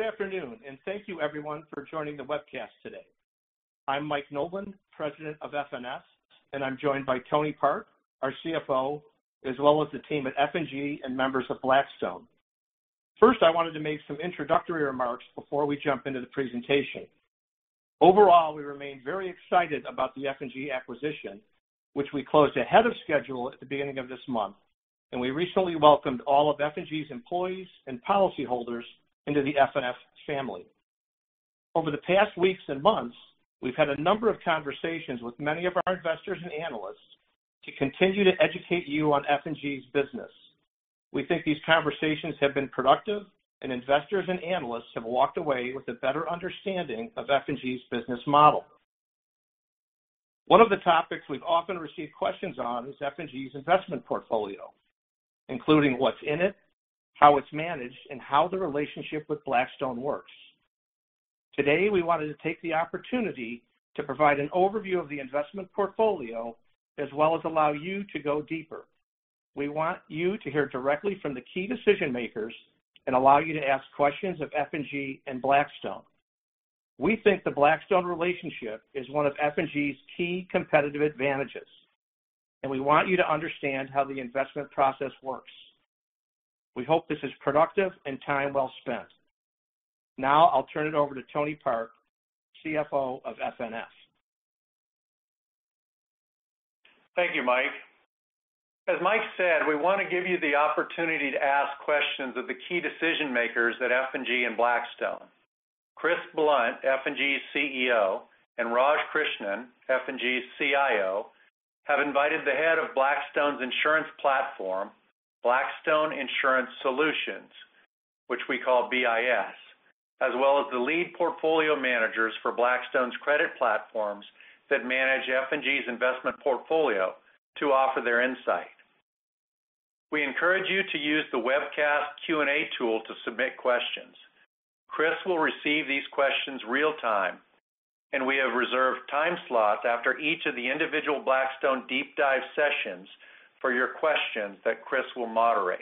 Good afternoon, and thank you, everyone, for joining the webcast today. I'm Mike Nolan, President of FNF, and I'm joined by Tony Park, our CFO, as well as the team at F&G and members of Blackstone. First, I wanted to make some introductory remarks before we jump into the presentation. Overall, we remain very excited about the F&G acquisition, which we closed ahead of schedule at the beginning of this month, and we recently welcomed all of F&G's employees and policyholders into the FNF family. Over the past weeks and months, we've had a number of conversations with many of our investors and analysts to continue to educate you on F&G's business. We think these conversations have been productive, and investors and analysts have walked away with a better understanding of F&G's business model. One of the topics we've often received questions on is F&G's investment portfolio, including what's in it, how it's managed, and how the relationship with Blackstone works. Today, we wanted to take the opportunity to provide an overview of the investment portfolio, as well as allow you to go deeper. We want you to hear directly from the key decision-makers and allow you to ask questions of F&G and Blackstone. We think the Blackstone relationship is one of F&G's key competitive advantages, and we want you to understand how the investment process works. We hope this is productive and time well spent. Now, I'll turn it over to Tony Park, CFO of FNF. Thank you, Mike. As Mike said, we want to give you the opportunity to ask questions of the key decision-makers at F&G and Blackstone. Chris Blunt, F&G's CEO, and Raj Krishnan, F&G's CIO, have invited the head of Blackstone's insurance platform, Blackstone Insurance Solutions, which we call BIS, as well as the lead portfolio managers for Blackstone's credit platforms that manage F&G's investment portfolio to offer their insight. We encourage you to use the webcast Q&A tool to submit questions. Chris will receive these questions real-time, and we have reserved time slots after each of the individual Blackstone deep-dive sessions for your questions that Chris will moderate.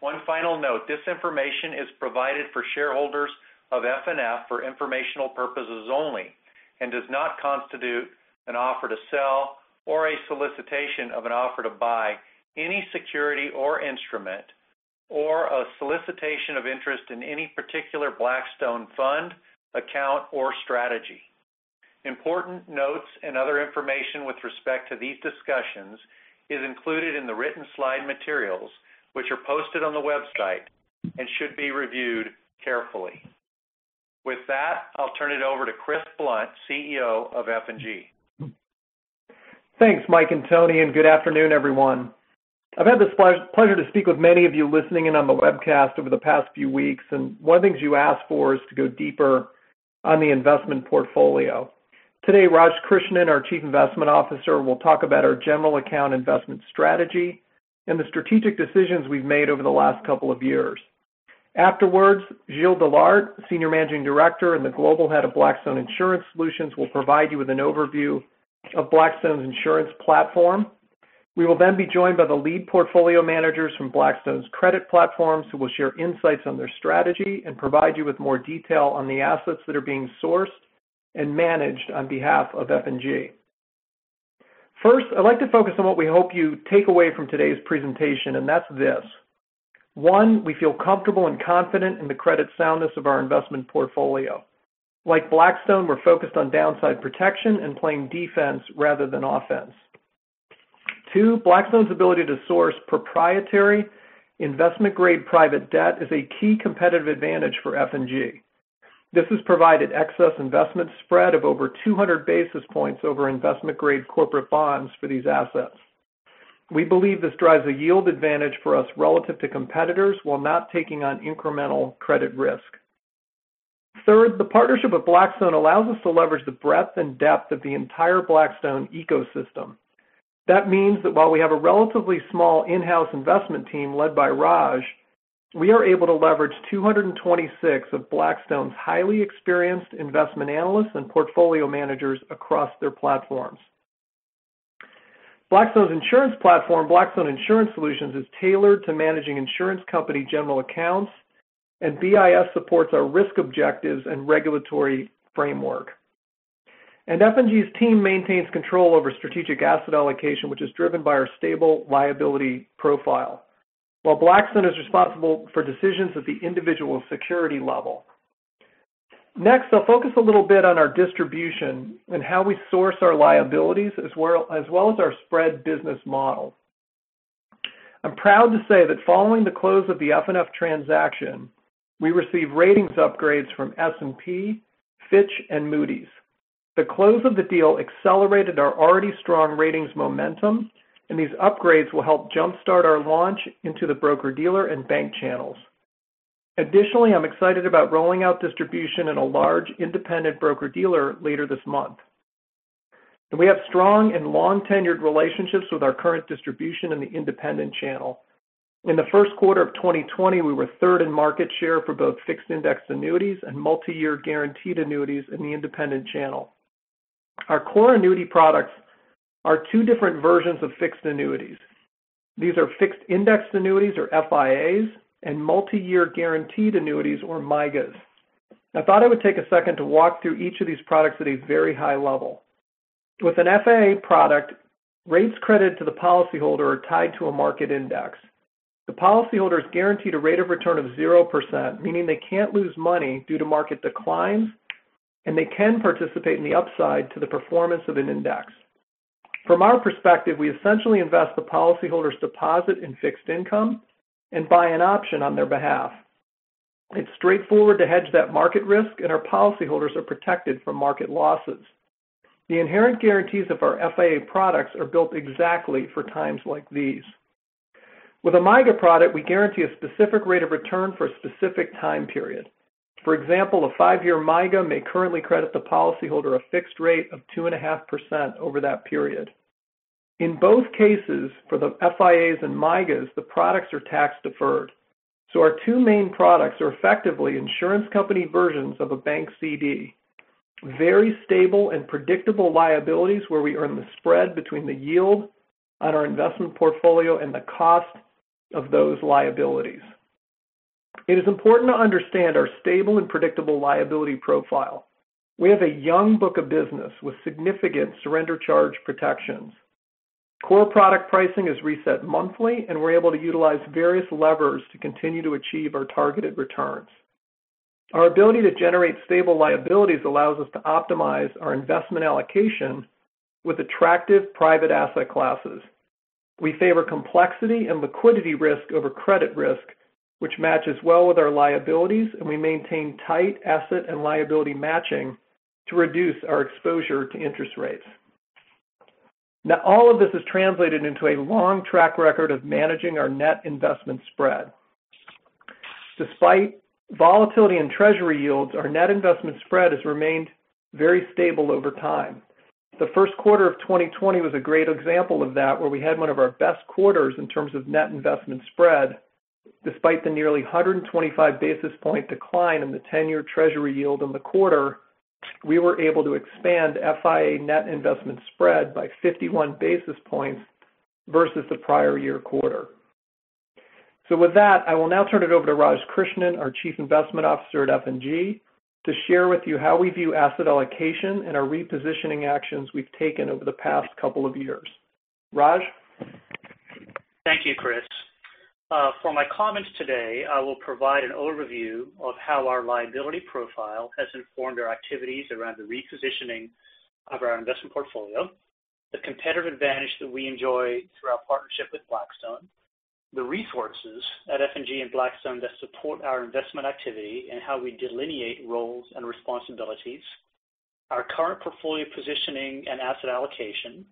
One final note: this information is provided for shareholders of FNF for informational purposes only and does not constitute an offer to sell or a solicitation of an offer to buy any security or instrument or a solicitation of interest in any particular Blackstone fund, account, or strategy. Important notes and other information with respect to these discussions is included in the written slide materials, which are posted on the website and should be reviewed carefully. With that, I'll turn it over to Chris Blunt, CEO of F&G. Thanks, Mike and Tony, and good afternoon, everyone. I've had the pleasure to speak with many of you listening in on the webcast over the past few weeks, and one of the things you asked for is to go deeper on the investment portfolio. Today, Raj Krishnan, our Chief Investment Officer, will talk about our general account investment strategy and the strategic decisions we've made over the last couple of years. Afterwards, Gilles Dellaert, Senior Managing Director and the Global Head of Blackstone Insurance Solutions, will provide you with an overview of Blackstone's insurance platform. We will then be joined by the lead portfolio managers from Blackstone's credit platforms, who will share insights on their strategy and provide you with more detail on the assets that are being sourced and managed on behalf of F&G. First, I'd like to focus on what we hope you take away from today's presentation, and that's this: One, we feel comfortable and confident in the credit soundness of our investment portfolio. Like Blackstone, we're focused on downside protection and playing defense rather than offense. Two, Blackstone's ability to source proprietary investment-grade private debt is a key competitive advantage for F&G. This has provided excess investment spread of over 200 basis points over investment-grade corporate bonds for these assets. We believe this drives a yield advantage for us relative to competitors while not taking on incremental credit risk. Third, the partnership with Blackstone allows us to leverage the breadth and depth of the entire Blackstone ecosystem. That means that while we have a relatively small in-house investment team led by Raj, we are able to leverage 226 of Blackstone's highly experienced investment analysts and portfolio managers across their platforms. Blackstone's insurance platform, Blackstone Insurance Solutions, is tailored to managing insurance company general accounts, and BIS supports our risk objectives and regulatory framework. And F&G's team maintains control over strategic asset allocation, which is driven by our stable liability profile, while Blackstone is responsible for decisions at the individual security level. Next, I'll focus a little bit on our distribution and how we source our liabilities, as well as our spread business model. I'm proud to say that following the close of the FNF transaction, we received ratings upgrades from S&P, Fitch, and Moody's. The close of the deal accelerated our already strong ratings momentum, and these upgrades will help jump-start our launch into the broker-dealer and bank channels. Additionally, I'm excited about rolling out distribution in a large independent broker-dealer later this month. We have strong and long-tenured relationships with our current distribution in the independent channel. In the first quarter of 2020, we were third in market share for both fixed index annuities and multi-year guaranteed annuities in the independent channel. Our core annuity products are two different versions of fixed annuities. These are fixed index annuities, or FIAs, and multi-year guaranteed annuities, or MIGAs. I thought I would take a second to walk through each of these products at a very high level. With an FIA product, rates credited to the policyholder are tied to a market index. The policyholder is guaranteed a rate of return of 0%, meaning they can't lose money due to market declines, and they can participate in the upside to the performance of an index. From our perspective, we essentially invest the policyholder's deposit in fixed income and buy an option on their behalf. It's straightforward to hedge that market risk, and our policyholders are protected from market losses. The inherent guarantees of our FIA products are built exactly for times like these. With a MIGA product, we guarantee a specific rate of return for a specific time period. For example, a five-year MIGA may currently credit the policyholder a fixed rate of 2.5% over that period. In both cases, for the FIAs and MIGAs, the products are tax-deferred. So our two main products are effectively insurance company versions of a bank CD: very stable and predictable liabilities where we earn the spread between the yield on our investment portfolio and the cost of those liabilities. It is important to understand our stable and predictable liability profile. We have a young book of business with significant surrender charge protections. Core product pricing is reset monthly, and we're able to utilize various levers to continue to achieve our targeted returns. Our ability to generate stable liabilities allows us to optimize our investment allocation with attractive private asset classes. We favor complexity and liquidity risk over credit risk, which matches well with our liabilities, and we maintain tight asset and liability matching to reduce our exposure to interest rates. Now, all of this is translated into a long track record of managing our net investment spread. Despite volatility in Treasury yields, our net investment spread has remained very stable over time. The first quarter of 2020 was a great example of that, where we had one of our best quarters in terms of net investment spread. Despite the nearly 125 basis points decline in the 10-year Treasury yield in the quarter, we were able to expand FIA net investment spread by 51 basis points versus the prior year quarter. So with that, I will now turn it over to Raj Krishnan, our Chief Investment Officer at F&G, to share with you how we view asset allocation and our repositioning actions we've taken over the past couple of years. Raj? Thank you, Chris. For my comments today, I will provide an overview of how our liability profile has informed our activities around the repositioning of our investment portfolio, the competitive advantage that we enjoy through our partnership with Blackstone, the resources at F&G and Blackstone that support our investment activity and how we delineate roles and responsibilities, our current portfolio positioning and asset allocation, and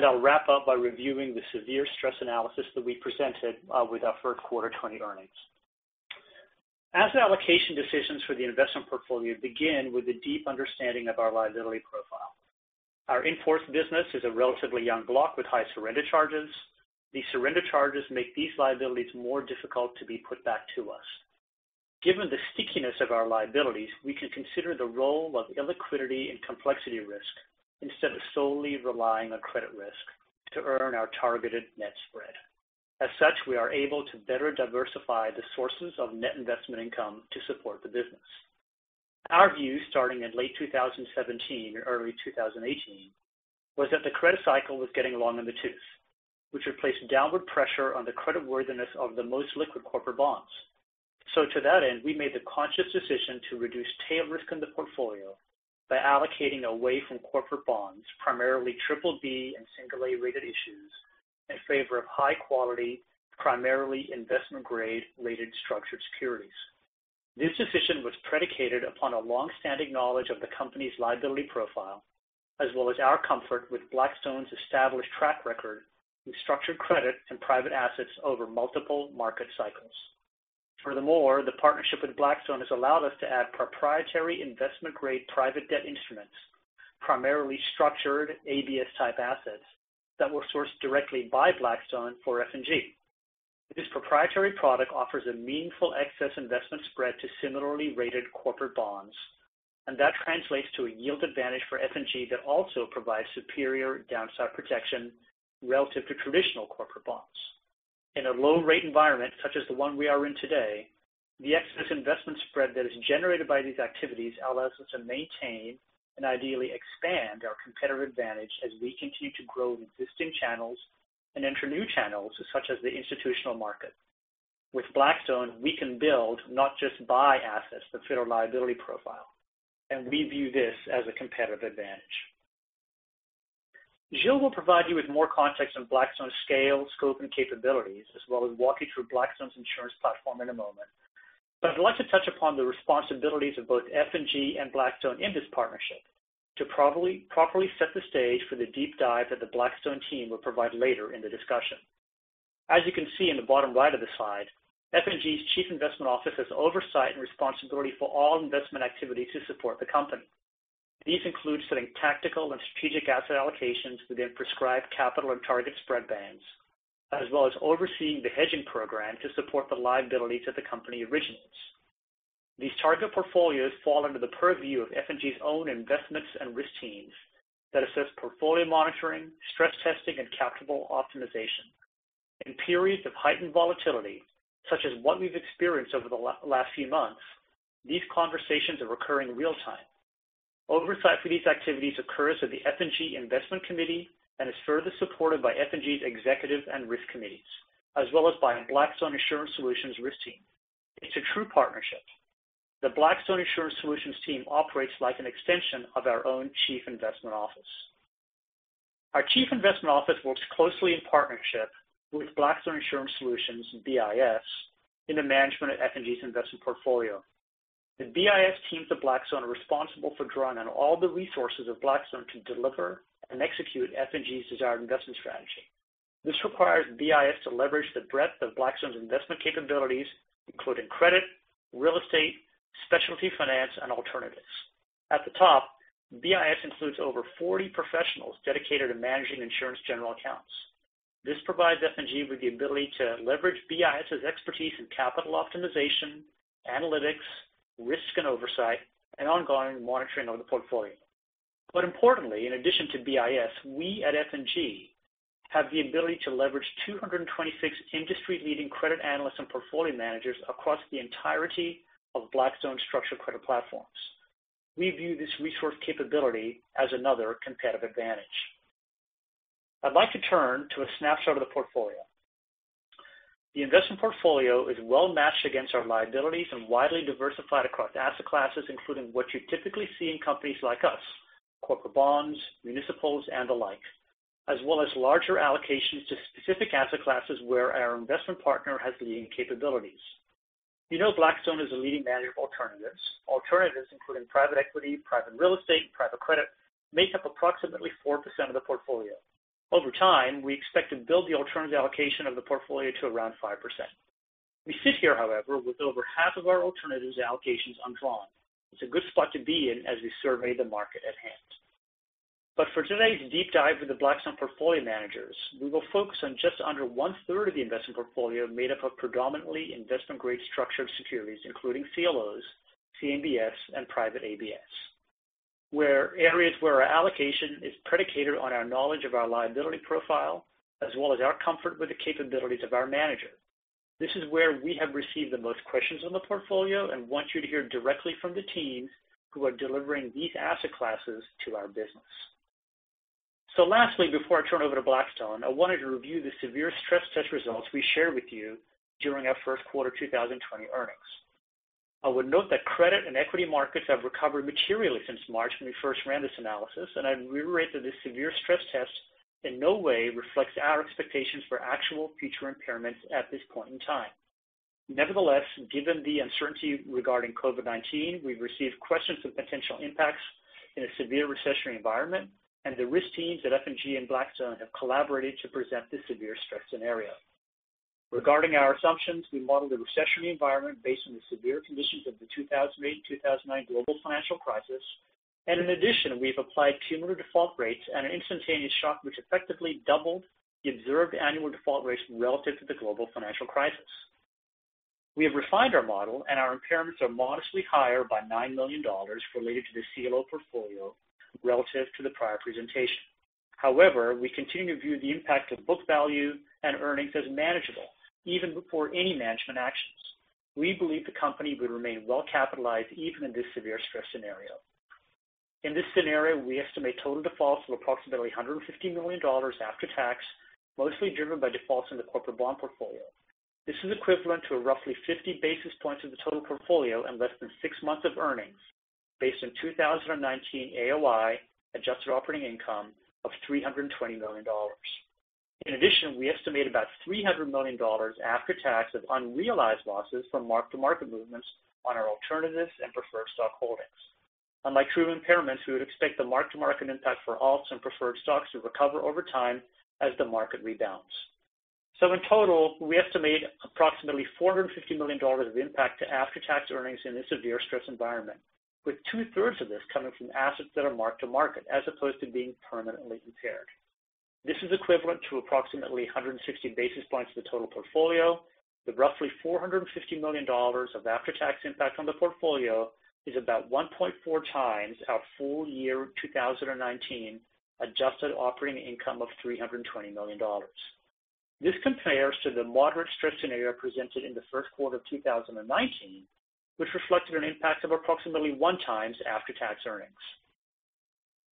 I'll wrap up by reviewing the severe stress analysis that we presented with our first quarter 2020 earnings. Asset allocation decisions for the investment portfolio begin with a deep understanding of our liability profile. Our annuity business is a relatively young block with high surrender charges. These surrender charges make these liabilities more difficult to be put back to us. Given the stickiness of our liabilities, we can consider the role of illiquidity and complexity risk instead of solely relying on credit risk to earn our targeted net spread. As such, we are able to better diversify the sources of net investment income to support the business. Our view, starting in late 2017 and early 2018, was that the credit cycle was getting long in the tooth, which would place downward pressure on the creditworthiness of the most liquid corporate bonds. So to that end, we made the conscious decision to reduce tail risk in the portfolio by allocating away from corporate bonds, primarily BBB and single-A rated issues, in favor of high-quality, primarily investment-grade rated structured securities. This decision was predicated upon a longstanding knowledge of the company's liability profile, as well as our comfort with Blackstone's established track record in structured credit and private assets over multiple market cycles. Furthermore, the partnership with Blackstone has allowed us to add proprietary investment-grade private debt instruments, primarily structured ABS-type assets that were sourced directly by Blackstone for F&G. This proprietary product offers a meaningful excess investment spread to similarly rated corporate bonds, and that translates to a yield advantage for F&G that also provides superior downside protection relative to traditional corporate bonds. In a low-rate environment, such as the one we are in today, the excess investment spread that is generated by these activities allows us to maintain and ideally expand our competitive advantage as we continue to grow existing channels and enter new channels, such as the institutional market. With Blackstone, we can build, not just buy assets, but fit our liability profile, and we view this as a competitive advantage. Gilles will provide you with more context on Blackstone's scale, scope, and capabilities, as well as walk you through Blackstone's insurance platform in a moment, but I'd like to touch upon the responsibilities of both F&G and Blackstone in this partnership to properly set the stage for the deep dive that the Blackstone team will provide later in the discussion. As you can see in the bottom right of the slide, F&G's Chief Investment Office has oversight and responsibility for all investment activity to support the company. These include setting tactical and strategic asset allocations within prescribed capital and target spread bands, as well as overseeing the hedging program to support the liabilities that the company originates. These target portfolios fall under the purview of F&G's own investments and risk teams that assess portfolio monitoring, stress testing, and capital optimization. In periods of heightened volatility, such as what we've experienced over the last few months, these conversations are occurring real-time. Oversight for these activities occurs at the F&G Investment Committee and is further supported by F&G's executive and risk committees, as well as by Blackstone Insurance Solutions' risk team. It's a true partnership. The Blackstone Insurance Solutions team operates like an extension of our own Chief Investment Office. Our Chief Investment Office works closely in partnership with Blackstone Insurance Solutions, BIS, in the management of F&G's investment portfolio. The BIS teams at Blackstone are responsible for drawing on all the resources of Blackstone to deliver and execute F&G's desired investment strategy. This requires BIS to leverage the breadth of Blackstone's investment capabilities, including credit, real estate, specialty finance, and alternatives. At the top, BIS includes over 40 professionals dedicated to managing insurance general accounts. This provides F&G with the ability to leverage BIS's expertise in capital optimization, analytics, risk and oversight, and ongoing monitoring of the portfolio. But importantly, in addition to BIS, we at F&G have the ability to leverage 226 industry-leading credit analysts and portfolio managers across the entirety of Blackstone's structured credit platforms. We view this resource capability as another competitive advantage. I'd like to turn to a snapshot of the portfolio. The investment portfolio is well matched against our liabilities and widely diversified across asset classes, including what you typically see in companies like us: corporate bonds, municipals, and the like, as well as larger allocations to specific asset classes where our investment partner has leading capabilities. You know Blackstone is a leading manager of alternatives. Alternatives, including private equity, private real estate, and private credit, make up approximately 4% of the portfolio. Over time, we expect to build the alternative allocation of the portfolio to around 5%. We sit here, however, with over half of our alternatives allocations undrawn. It's a good spot to be in as we survey the market at hand. But for today's deep dive with the Blackstone portfolio managers, we will focus on just under one-third of the investment portfolio made up of predominantly investment-grade structured securities, including CLOs, CMBS, and private ABS, in areas where our allocation is predicated on our knowledge of our liability profile, as well as our comfort with the capabilities of our manager. This is where we have received the most questions on the portfolio and want you to hear directly from the teams who are delivering these asset classes to our business. So lastly, before I turn over to Blackstone, I wanted to review the severe stress test results we shared with you during our first quarter 2020 earnings. I would note that credit and equity markets have recovered materially since March when we first ran this analysis, and I'd reiterate that this severe stress test in no way reflects our expectations for actual future impairments at this point in time. Nevertheless, given the uncertainty regarding COVID-19, we've received questions of potential impacts in a severe recessionary environment, and the risk teams at F&G and Blackstone have collaborated to present this severe stress scenario. Regarding our assumptions, we modeled the recessionary environment based on the severe conditions of the 2008-2009 global financial crisis, and in addition, we've applied cumulative default rates and an instantaneous shock, which effectively doubled the observed annual default rates relative to the global financial crisis. We have refined our model, and our impairments are modestly higher by $9 million related to the CLO portfolio relative to the prior presentation. However, we continue to view the impact of book value and earnings as manageable, even before any management actions. We believe the company would remain well capitalized even in this severe stress scenario. In this scenario, we estimate total defaults of approximately $150 million after-tax, mostly driven by defaults in the corporate bond portfolio. This is equivalent to roughly 50 basis points of the total portfolio and less than six months of earnings based on 2019 AOI, adjusted operating income, of $320 million. In addition, we estimate about $300 million after tax of unrealized losses from mark-to-market movements on our alternatives and preferred stock holdings. Unlike true impairments, we would expect the mark-to-market impact for alts and preferred stocks to recover over time as the market rebounds. So in total, we estimate approximately $450 million of impact to after-tax earnings in this severe stress environment, with two-thirds of this coming from assets that are mark-to-market as opposed to being permanently impaired. This is equivalent to approximately 160 basis points of the total portfolio. The roughly $450 million of after-tax impact on the portfolio is about 1.4 times our full year 2019 adjusted operating income of $320 million. This compares to the moderate stress scenario presented in the first quarter of 2019, which reflected an impact of approximately one times after-tax earnings.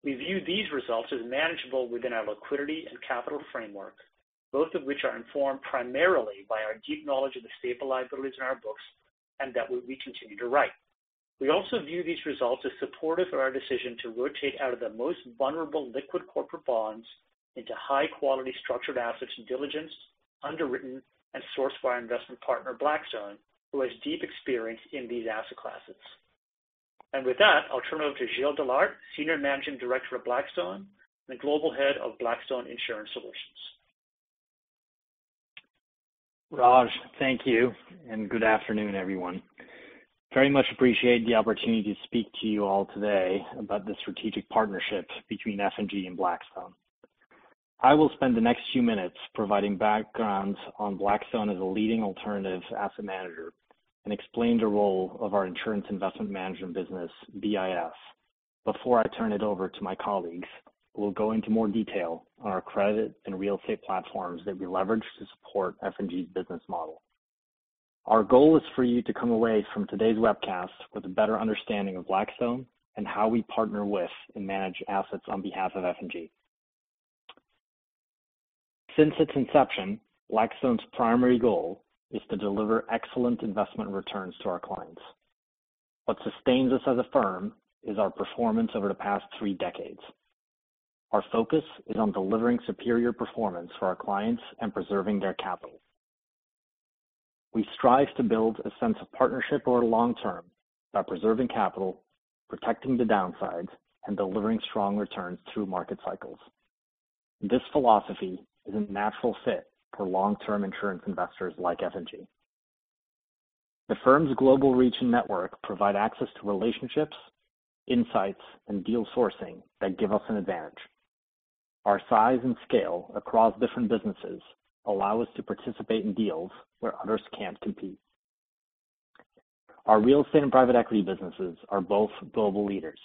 We view these results as manageable within our liquidity and capital framework, both of which are informed primarily by our deep knowledge of the stable liabilities in our books and that we continue to write. We also view these results as supportive of our decision to rotate out of the most vulnerable liquid corporate bonds into high-quality structured assets and diligence underwritten and sourced by our investment partner, Blackstone, who has deep experience in these asset classes, and with that, I'll turn it over to Gilles Dellaert, Senior Managing Director of Blackstone and Global Head of Blackstone Insurance Solutions. Raj, thank you, and good afternoon, everyone. Very much appreciate the opportunity to speak to you all today about the strategic partnership between F&G and Blackstone. I will spend the next few minutes providing background on Blackstone as a leading alternative asset manager and explain the role of our insurance investment management business, BIS. Before I turn it over to my colleagues, we'll go into more detail on our credit and real estate platforms that we leverage to support F&G's business model. Our goal is for you to come away from today's webcast with a better understanding of Blackstone and how we partner with and manage assets on behalf of F&G. Since its inception, Blackstone's primary goal is to deliver excellent investment returns to our clients. What sustains us as a firm is our performance over the past three decades. Our focus is on delivering superior performance for our clients and preserving their capital. We strive to build a sense of partnership over the long term by preserving capital, protecting the downsides, and delivering strong returns through market cycles. This philosophy is a natural fit for long-term insurance investors like F&G. The firm's global reach and network provide access to relationships, insights, and deal sourcing that give us an advantage. Our size and scale across different businesses allow us to participate in deals where others can't compete. Our real estate and private equity businesses are both global leaders.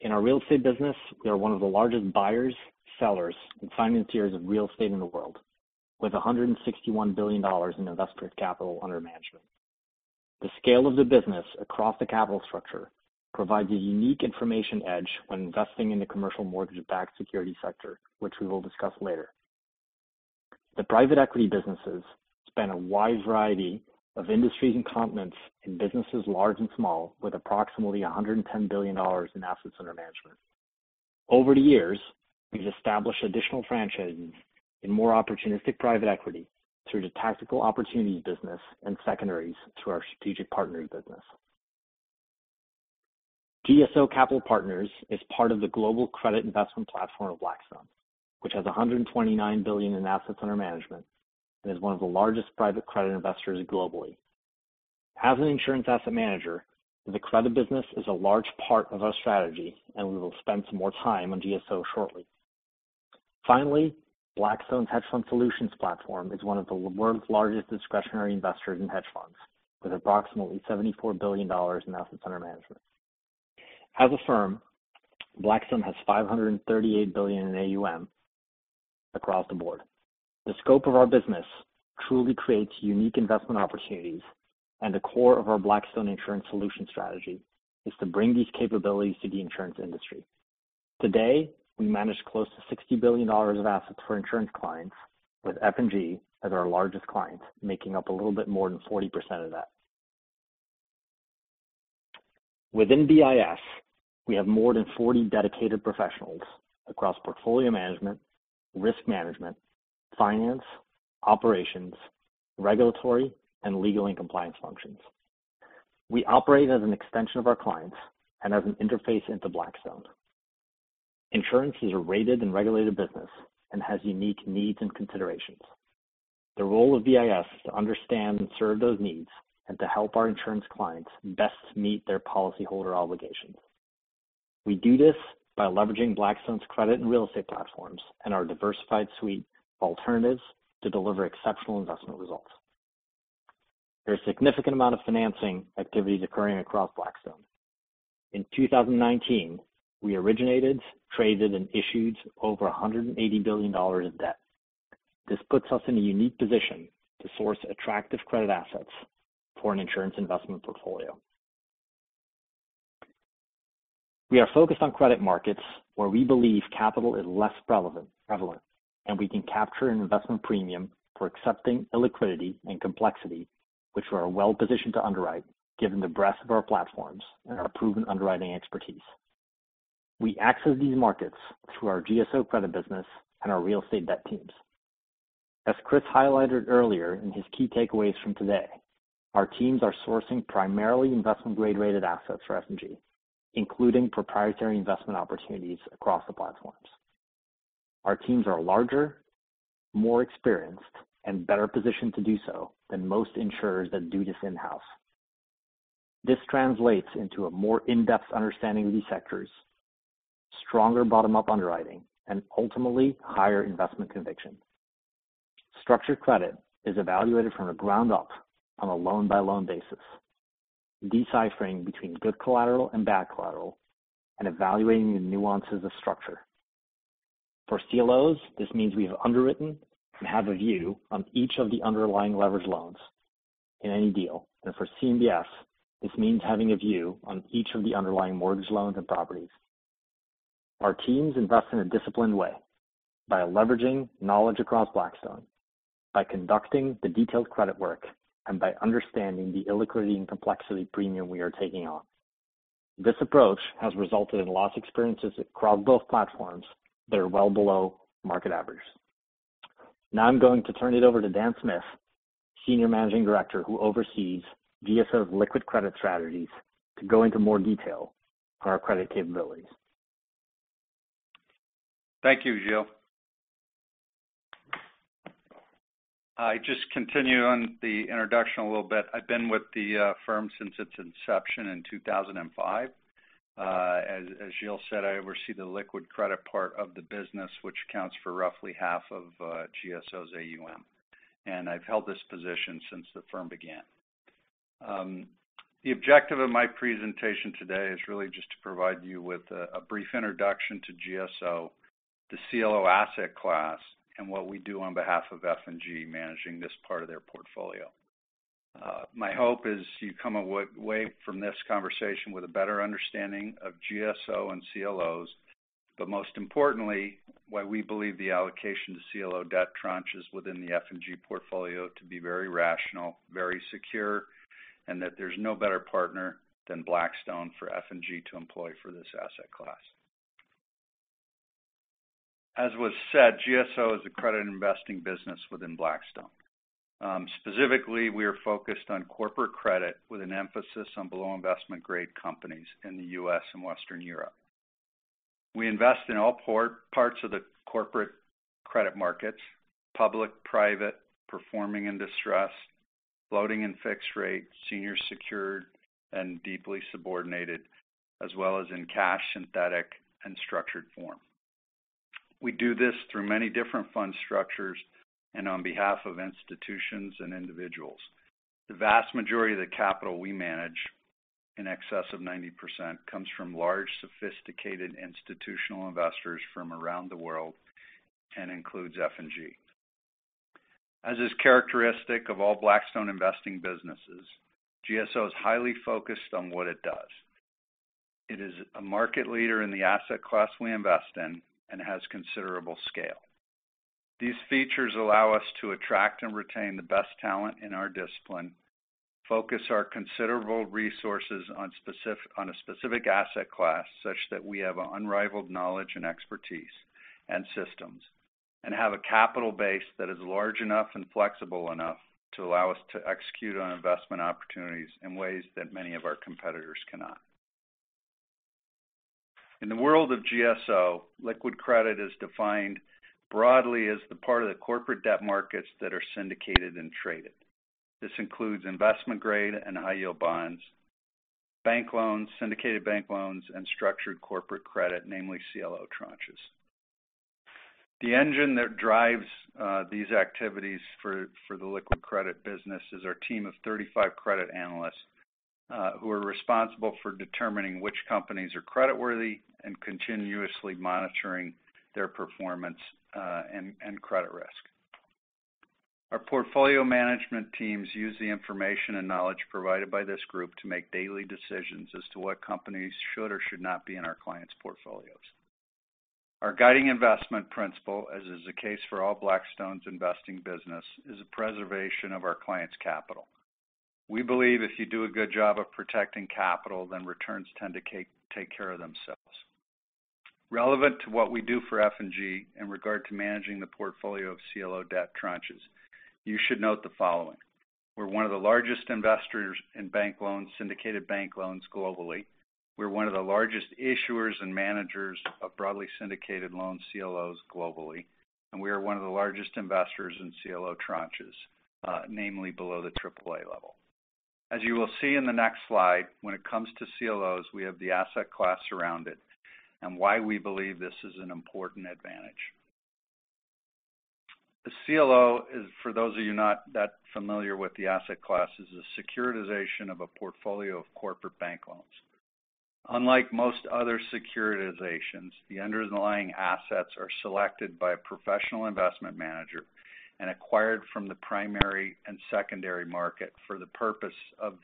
In our real estate business, we are one of the largest buyers, sellers, and financiers of real estate in the world, with $161 billion in investment capital under management. The scale of the business across the capital structure provides a unique information edge when investing in the commercial mortgage-backed security sector, which we will discuss later. The private equity businesses span a wide variety of industries and continents in businesses large and small, with approximately $110 billion in assets under management. Over the years, we've established additional franchises in more opportunistic private equity through the tactical opportunities business and secondaries through our strategic partners business. GSO Capital Partners is part of the global credit investment platform of Blackstone, which has $129 billion in assets under management and is one of the largest private credit investors globally. As an insurance asset manager, the credit business is a large part of our strategy, and we will spend some more time on GSO shortly. Finally, Blackstone's hedge fund solutions platform is one of the world's largest discretionary investors in hedge funds, with approximately $74 billion in assets under management. As a firm, Blackstone has $538 billion in AUM across the board. The scope of our business truly creates unique investment opportunities, and the core of our Blackstone Insurance Solutions strategy is to bring these capabilities to the insurance industry. Today, we manage close to $60 billion of assets for insurance clients, with F&G as our largest client, making up a little bit more than 40% of that. Within BIS, we have more than 40 dedicated professionals across portfolio management, risk management, finance, operations, regulatory, and legal and compliance functions. We operate as an extension of our clients and as an interface into Blackstone. Insurance is a rated and regulated business and has unique needs and considerations. The role of BIS is to understand and serve those needs and to help our insurance clients best meet their policyholder obligations. We do this by leveraging Blackstone's credit and real estate platforms and our diversified suite of alternatives to deliver exceptional investment results. There are a significant amount of financing activities occurring across Blackstone. In 2019, we originated, traded, and issued over $180 billion in debt. This puts us in a unique position to source attractive credit assets for an insurance investment portfolio. We are focused on credit markets where we believe capital is less prevalent, and we can capture an investment premium for accepting illiquidity and complexity, which we are well positioned to underwrite given the breadth of our platforms and our proven underwriting expertise. We access these markets through our GSO credit business and our real estate debt teams. As Chris highlighted earlier in his key takeaways from today, our teams are sourcing primarily investment-grade rated assets for F&G, including proprietary investment opportunities across the platforms. Our teams are larger, more experienced, and better positioned to do so than most insurers that do this in-house. This translates into a more in-depth understanding of these sectors, stronger bottom-up underwriting, and ultimately higher investment conviction. Structured credit is evaluated from the ground up on a loan-by-loan basis, deciphering between good collateral and bad collateral and evaluating the nuances of structure. For CLOs, this means we have underwritten and have a view on each of the underlying leveraged loans in any deal, and for CMBS, this means having a view on each of the underlying mortgage loans and properties. Our teams invest in a disciplined way by leveraging knowledge across Blackstone, by conducting the detailed credit work, and by understanding the illiquidity and complexity premium we are taking on. This approach has resulted in lots of experiences across both platforms that are well below market average. Now I'm going to turn it over to Dan Smith, Senior Managing Director, who oversees GSO's liquid credit strategies, to go into more detail on our credit capabilities. Thank you, Gilles. I just continue on the introduction a little bit. I've been with the firm since its inception in 2005. As Gilles said, I oversee the liquid credit part of the business, which accounts for roughly half of GSO's AUM, and I've held this position since the firm began. The objective of my presentation today is really just to provide you with a brief introduction to GSO, the CLO asset class, and what we do on behalf of F&G managing this part of their portfolio. My hope is you come away from this conversation with a better understanding of GSO and CLOs, but most importantly, why we believe the allocation to CLO debt tranches within the F&G portfolio to be very rational, very secure, and that there's no better partner than Blackstone for F&G to employ for this asset class. As was said, GSO is a credit investing business within Blackstone. Specifically, we are focused on corporate credit with an emphasis on below investment-grade companies in the U.S. and Western Europe. We invest in all parts of the corporate credit markets: public, private, performing and distressed, floating and fixed rate, senior secured, and deeply subordinated, as well as in cash, synthetic, and structured form. We do this through many different fund structures and on behalf of institutions and individuals. The vast majority of the capital we manage, in excess of 90%, comes from large, sophisticated institutional investors from around the world and includes F&G. As is characteristic of all Blackstone investing businesses, GSO is highly focused on what it does. It is a market leader in the asset class we invest in and has considerable scale. These features allow us to attract and retain the best talent in our discipline, focus our considerable resources on a specific asset class such that we have unrivaled knowledge and expertise and systems, and have a capital base that is large enough and flexible enough to allow us to execute on investment opportunities in ways that many of our competitors cannot. In the world of GSO, liquid credit is defined broadly as the part of the corporate debt markets that are syndicated and traded. This includes investment-grade and high-yield bonds, bank loans, syndicated bank loans, and structured corporate credit, namely CLO tranches. The engine that drives these activities for the liquid credit business is our team of 35 credit analysts who are responsible for determining which companies are creditworthy and continuously monitoring their performance and credit risk. Our portfolio management teams use the information and knowledge provided by this group to make daily decisions as to what companies should or should not be in our clients' portfolios. Our guiding investment principle, as is the case for all Blackstone's investing business, is the preservation of our clients' capital. We believe if you do a good job of protecting capital, then returns tend to take care of themselves. Relevant to what we do for F&G in regard to managing the portfolio of CLO debt tranches, you should note the following. We're one of the largest investors in bank loans, syndicated bank loans globally. We're one of the largest issuers and managers of broadly syndicated loan CLOs globally, and we are one of the largest investors in CLO tranches, namely below the AAA level. As you will see in the next slide, when it comes to CLOs, we have the asset class around it and why we believe this is an important advantage. The CLO is, for those of you not that familiar with the asset classes, a securitization of a portfolio of corporate bank loans. Unlike most other securitizations, the underlying assets are selected by a professional investment manager and acquired from the primary and secondary market for the purpose of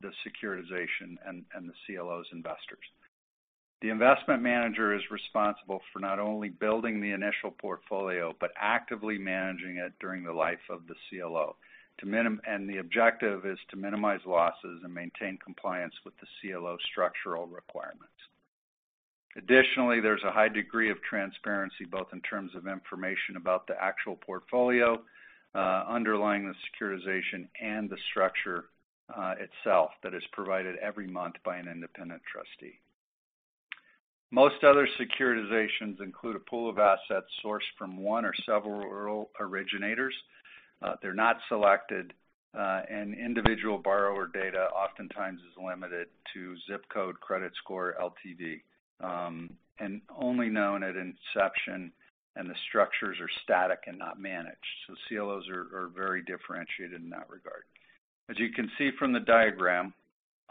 the securitization and the CLO's investors. The investment manager is responsible for not only building the initial portfolio but actively managing it during the life of the CLO, and the objective is to minimize losses and maintain compliance with the CLO structural requirements. Additionally, there's a high degree of transparency both in terms of information about the actual portfolio underlying the securitization and the structure itself that is provided every month by an independent trustee. Most other securitizations include a pool of assets sourced from one or several originators. They're not selected, and individual borrower data oftentimes is limited to ZIP code, credit score, LTV, and only known at inception, and the structures are static and not managed. So CLOs are very differentiated in that regard. As you can see from the diagram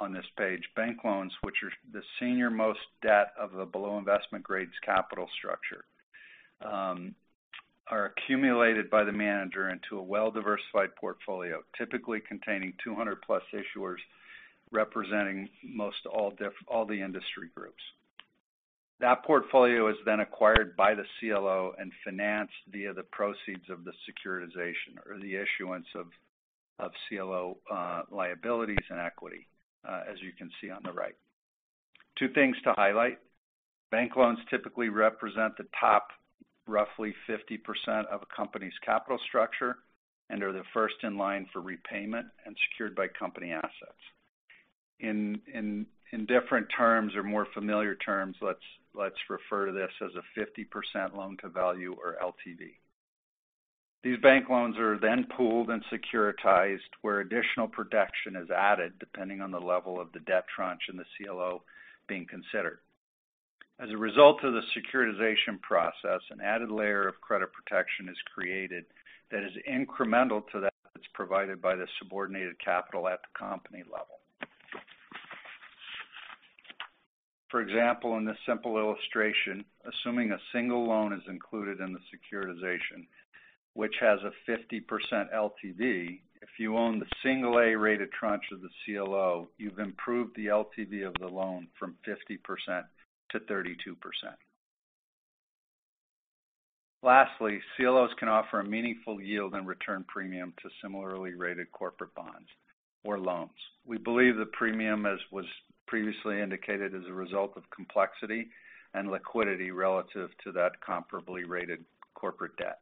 on this page, bank loans, which are the senior-most debt of the below investment-grade capital structure, are accumulated by the manager into a well-diversified portfolio, typically containing 200-plus issuers representing most all the industry groups. That portfolio is then acquired by the CLO and financed via the proceeds of the securitization or the issuance of CLO liabilities and equity, as you can see on the right. Two things to highlight: bank loans typically represent the top roughly 50% of a company's capital structure and are the first in line for repayment and secured by company assets. In different terms or more familiar terms, let's refer to this as a 50% loan to value or LTV. These bank loans are then pooled and securitized, where additional protection is added depending on the level of the debt tranche and the CLO being considered. As a result of the securitization process, an added layer of credit protection is created that is incremental to that that's provided by the subordinated capital at the company level. For example, in this simple illustration, assuming a single loan is included in the securitization, which has a 50% LTV, if you own the single A-rated tranche of the CLO, you've improved the LTV of the loan from 50% to 32%. Lastly, CLOs can offer a meaningful yield and return premium to similarly rated corporate bonds or loans. We believe the premium, as was previously indicated, is a result of complexity and liquidity relative to that comparably rated corporate debt.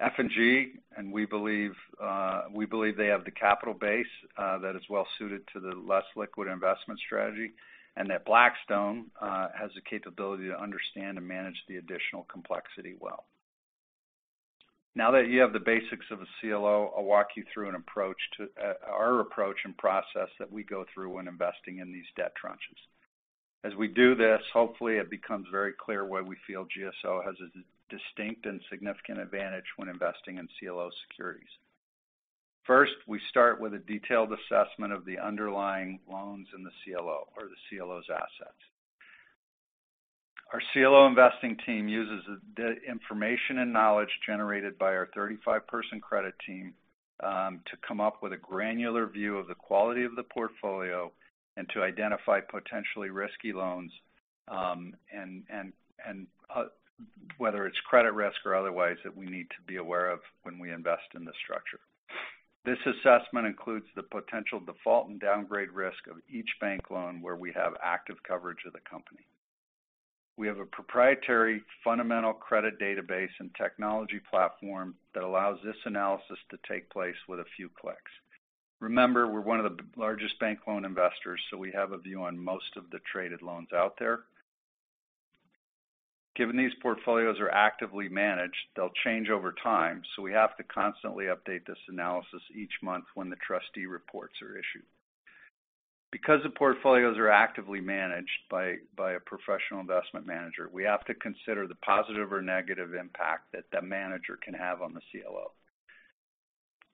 F&G, and we believe they have the capital base that is well suited to the less liquid investment strategy, and that Blackstone has the capability to understand and manage the additional complexity well. Now that you have the basics of a CLO, I'll walk you through our approach and process that we go through when investing in these debt tranches. As we do this, hopefully, it becomes very clear why we feel GSO has a distinct and significant advantage when investing in CLO securities. First, we start with a detailed assessment of the underlying loans in the CLO or the CLO's assets. Our CLO investing team uses the information and knowledge generated by our 35-person credit team to come up with a granular view of the quality of the portfolio and to identify potentially risky loans and whether it's credit risk or otherwise that we need to be aware of when we invest in the structure. This assessment includes the potential default and downgrade risk of each bank loan where we have active coverage of the company. We have a proprietary fundamental credit database and technology platform that allows this analysis to take place with a few clicks. Remember, we're one of the largest bank loan investors, so we have a view on most of the traded loans out there. Given these portfolios are actively managed, they'll change over time, so we have to constantly update this analysis each month when the trustee reports are issued. Because the portfolios are actively managed by a professional investment manager, we have to consider the positive or negative impact that the manager can have on the CLO.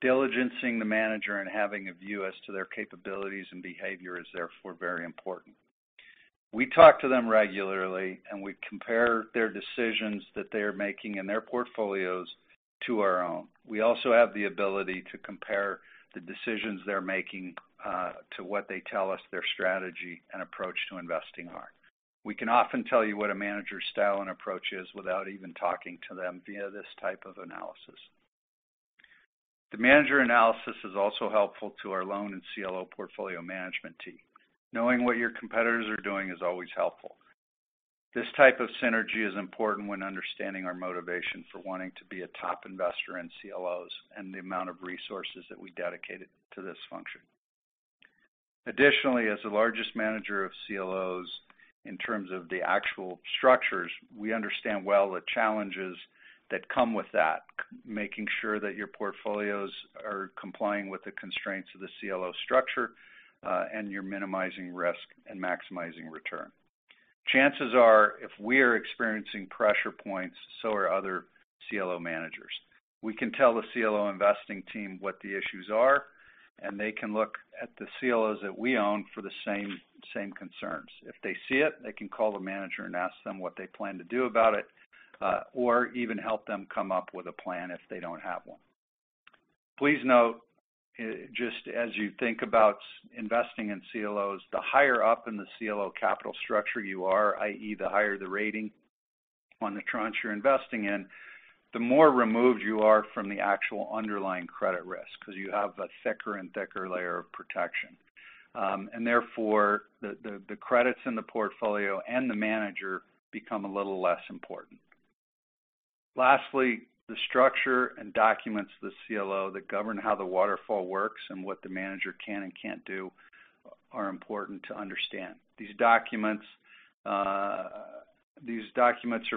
Diligencing the manager and having a view as to their capabilities and behavior is therefore very important. We talk to them regularly, and we compare their decisions that they are making in their portfolios to our own. We also have the ability to compare the decisions they're making to what they tell us their strategy and approach to investing are. We can often tell you what a manager's style and approach is without even talking to them via this type of analysis. The manager analysis is also helpful to our loan and CLO portfolio management team. Knowing what your competitors are doing is always helpful. This type of synergy is important when understanding our motivation for wanting to be a top investor in CLOs and the amount of resources that we dedicate to this function. Additionally, as the largest manager of CLOs in terms of the actual structures, we understand well the challenges that come with that, making sure that your portfolios are complying with the constraints of the CLO structure and you're minimizing risk and maximizing return. Chances are, if we are experiencing pressure points, so are other CLO managers. We can tell the CLO investing team what the issues are, and they can look at the CLOs that we own for the same concerns. If they see it, they can call the manager and ask them what they plan to do about it or even help them come up with a plan if they don't have one. Please note, just as you think about investing in CLOs, the higher up in the CLO capital structure you are, i.e., the higher the rating on the tranche you're investing in, the more removed you are from the actual underlying credit risk because you have a thicker and thicker layer of protection, and therefore, the credits in the portfolio and the manager become a little less important. Lastly, the structure and documents of the CLO that govern how the waterfall works and what the manager can and can't do are important to understand. These documents are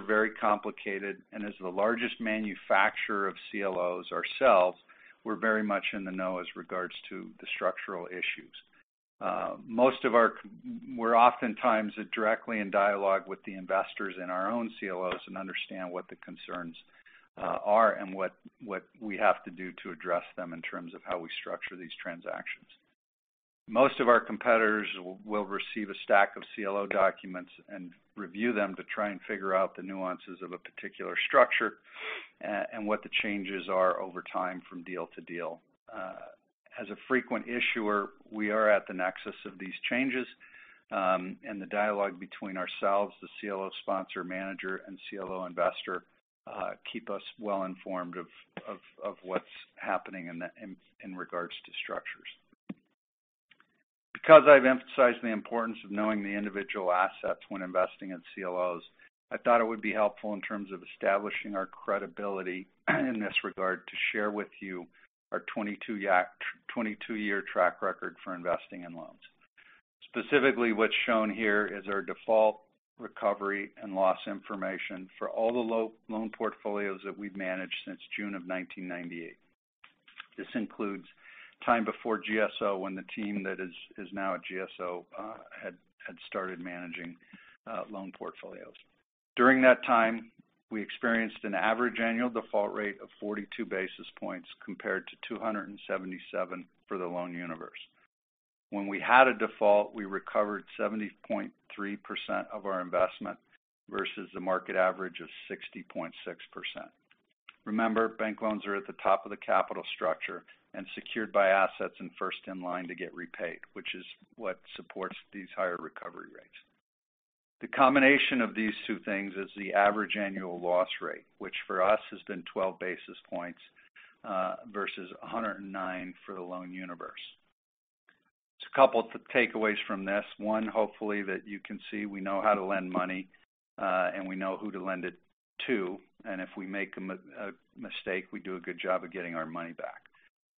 very complicated, and as the largest manufacturer of CLOs ourselves, we're very much in the know as regards to the structural issues. We're oftentimes directly in dialogue with the investors in our own CLOs and understand what the concerns are and what we have to do to address them in terms of how we structure these transactions. Most of our competitors will receive a stack of CLO documents and review them to try and figure out the nuances of a particular structure and what the changes are over time from deal to deal. As a frequent issuer, we are at the nexus of these changes, and the dialogue between ourselves, the CLO sponsor manager, and CLO investor keeps us well informed of what's happening in regards to structures. Because I've emphasized the importance of knowing the individual assets when investing in CLOs, I thought it would be helpful in terms of establishing our credibility in this regard to share with you our 22-year track record for investing in loans. Specifically, what's shown here is our default, recovery, and loss information for all the loan portfolios that we've managed since June of 1998. This includes time before GSO when the team that is now at GSO had started managing loan portfolios. During that time, we experienced an average annual default rate of 42 basis points compared to 277 for the loan universe. When we had a default, we recovered 70.3% of our investment versus the market average of 60.6%. Remember, bank loans are at the top of the capital structure and secured by assets and first in line to get repaid, which is what supports these higher recovery rates. The combination of these two things is the average annual loss rate, which for us has been 12 basis points versus 109 for the loan universe. There's a couple of takeaways from this. One, hopefully, that you can see we know how to lend money, and we know who to lend it to, and if we make a mistake, we do a good job of getting our money back.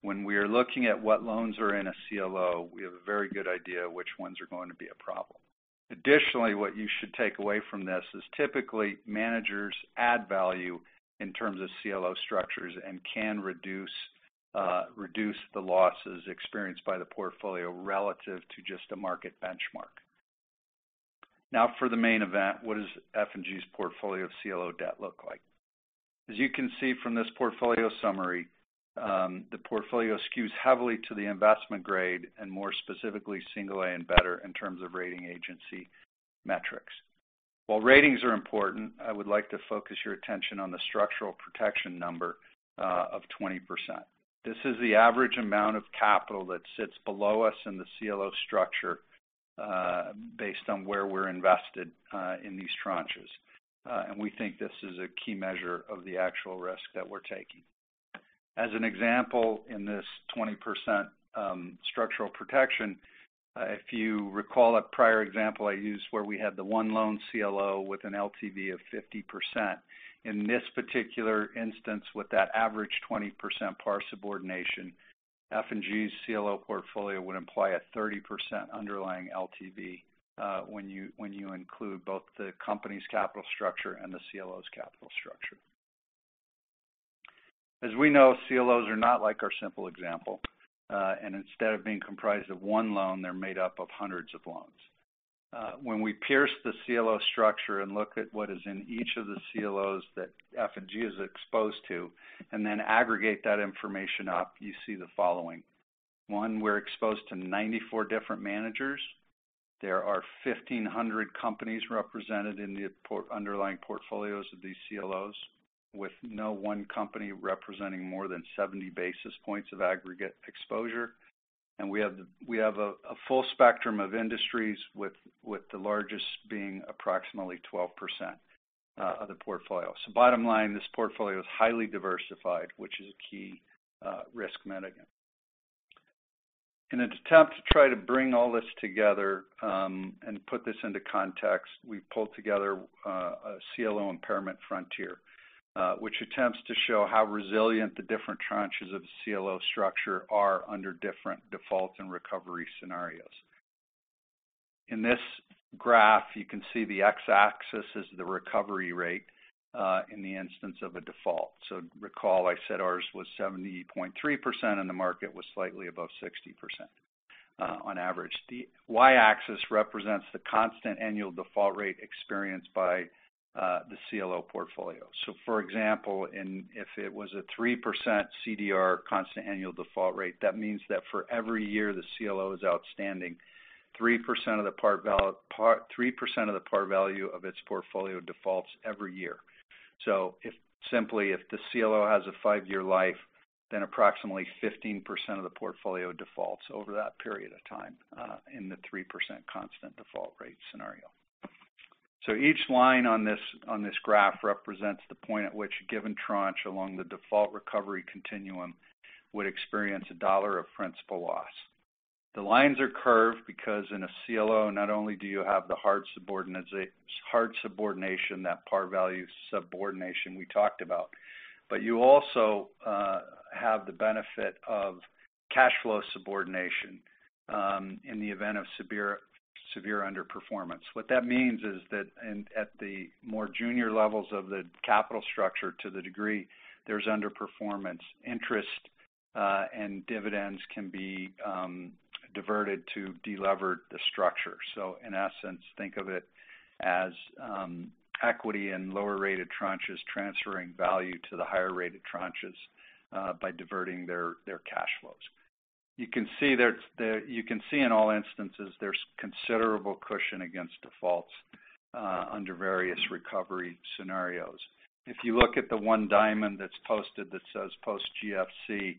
When we are looking at what loans are in a CLO, we have a very good idea of which ones are going to be a problem. Additionally, what you should take away from this is typically managers add value in terms of CLO structures and can reduce the losses experienced by the portfolio relative to just a market benchmark. Now, for the main event, what does F&G's portfolio of CLO debt look like? As you can see from this portfolio summary, the portfolio skews heavily to the investment-grade and more specifically single-A and better in terms of rating agency metrics. While ratings are important, I would like to focus your attention on the structural protection number of 20%. This is the average amount of capital that sits below us in the CLO structure based on where we're invested in these tranches, and we think this is a key measure of the actual risk that we're taking. As an example, in this 20% structural protection, if you recall that prior example I used where we had the one loan CLO with an LTV of 50%, in this particular instance, with that average 20% par subordination, F&G's CLO portfolio would imply a 30% underlying LTV when you include both the company's capital structure and the CLO's capital structure. As we know, CLOs are not like our simple example, and instead of being comprised of one loan, they're made up of hundreds of loans. When we pierce the CLO structure and look at what is in each of the CLOs that F&G is exposed to and then aggregate that information up, you see the following. One, we're exposed to 94 different managers. There are 1,500 companies represented in the underlying portfolios of these CLOs, with no one company representing more than 70 basis points of aggregate exposure, and we have a full spectrum of industries, with the largest being approximately 12% of the portfolio. So bottom line, this portfolio is highly diversified, which is a key risk mitigator. In an attempt to try to bring all this together and put this into context, we've pulled together a CLO impairment frontier, which attempts to show how resilient the different tranches of the CLO structure are under different default and recovery scenarios. In this graph, you can see the X-axis is the recovery rate in the instance of a default. So recall, I said ours was 70.3%, and the market was slightly above 60% on average. The Y-axis represents the constant annual default rate experienced by the CLO portfolio. For example, if it was a 3% CDR constant annual default rate, that means that for every year the CLO is outstanding, 3% of the par value of its portfolio defaults every year. Simply, if the CLO has a five-year life, then approximately 15% of the portfolio defaults over that period of time in the 3% constant default rate scenario. Each line on this graph represents the point at which a given tranche along the default recovery continuum would experience a dollar of principal loss. The lines are curved because in a CLO, not only do you have the hard subordination that par value subordination we talked about, but you also have the benefit of cash flow subordination in the event of severe underperformance. What that means is that at the more junior levels of the capital structure to the degree there's underperformance, interest and dividends can be diverted to deleverage the structure. So in essence, think of it as equity in lower-rated tranches transferring value to the higher-rated tranches by diverting their cash flows. You can see in all instances, there's considerable cushion against defaults under various recovery scenarios. If you look at the one diamond that's posted that says post-GFC,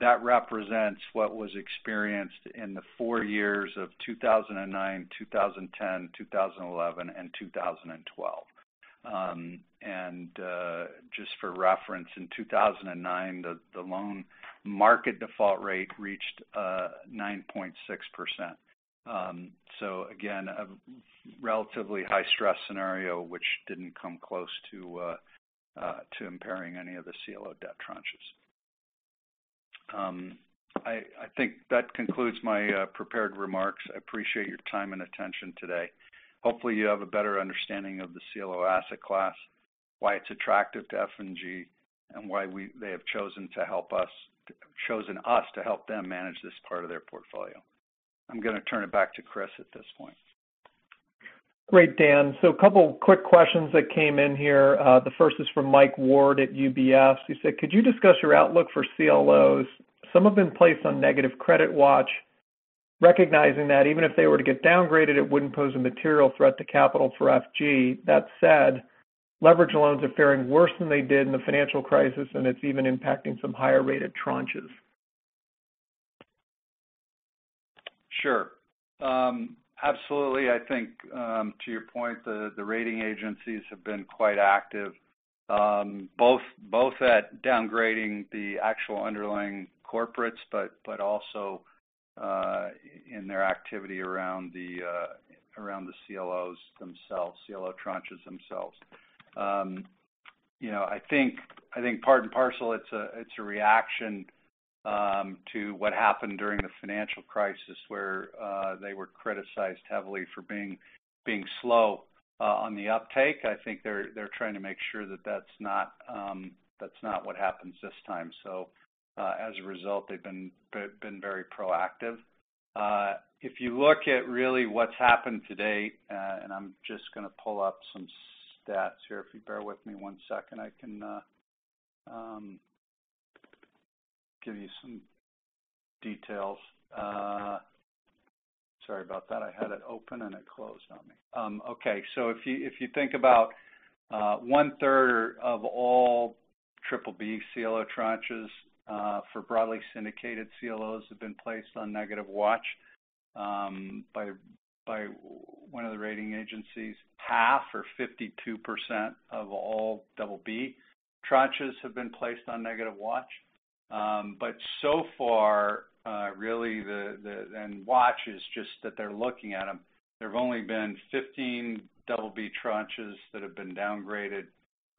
that represents what was experienced in the four years of 2009, 2010, 2011, and 2012. And just for reference, in 2009, the loan market default rate reached 9.6%. So again, a relatively high-stress scenario, which didn't come close to impairing any of the CLO debt tranches. I think that concludes my prepared remarks. I appreciate your time and attention today. Hopefully, you have a better understanding of the CLO asset class, why it's attractive to F&G, and why they have chosen us to help them manage this part of their portfolio. I'm going to turn it back to Chris at this point. Great, Dan. So a couple of quick questions that came in here. The first is from Mike Ward at UBS. He said, "Could you discuss your outlook for CLOs? Some have been placed on negative credit watch, recognizing that even if they were to get downgraded, it wouldn't pose a material threat to capital for F&G. That said, leveraged loans are faring worse than they did in the financial crisis, and it's even impacting some higher-rated tranches. Sure. Absolutely. I think to your point, the rating agencies have been quite active, both at downgrading the actual underlying corporates but also in their activity around the CLOs themselves, CLO tranches themselves. I think part and parcel, it's a reaction to what happened during the financial crisis where they were criticized heavily for being slow on the uptake. I think they're trying to make sure that that's not what happens this time. So as a result, they've been very proactive. If you look at really what's happened to date, and I'm just going to pull up some stats here. If you bear with me one second, I can give you some details. Sorry about that. I had it open and it closed on me. Okay. So, if you think about one-third of all triple B CLO tranches for broadly syndicated CLOs have been placed on negative watch by one of the rating agencies, half or 52% of all double B tranches have been placed on negative watch. But so far, really, and watch is just that they're looking at them, there've only been 15 double B tranches that have been downgraded.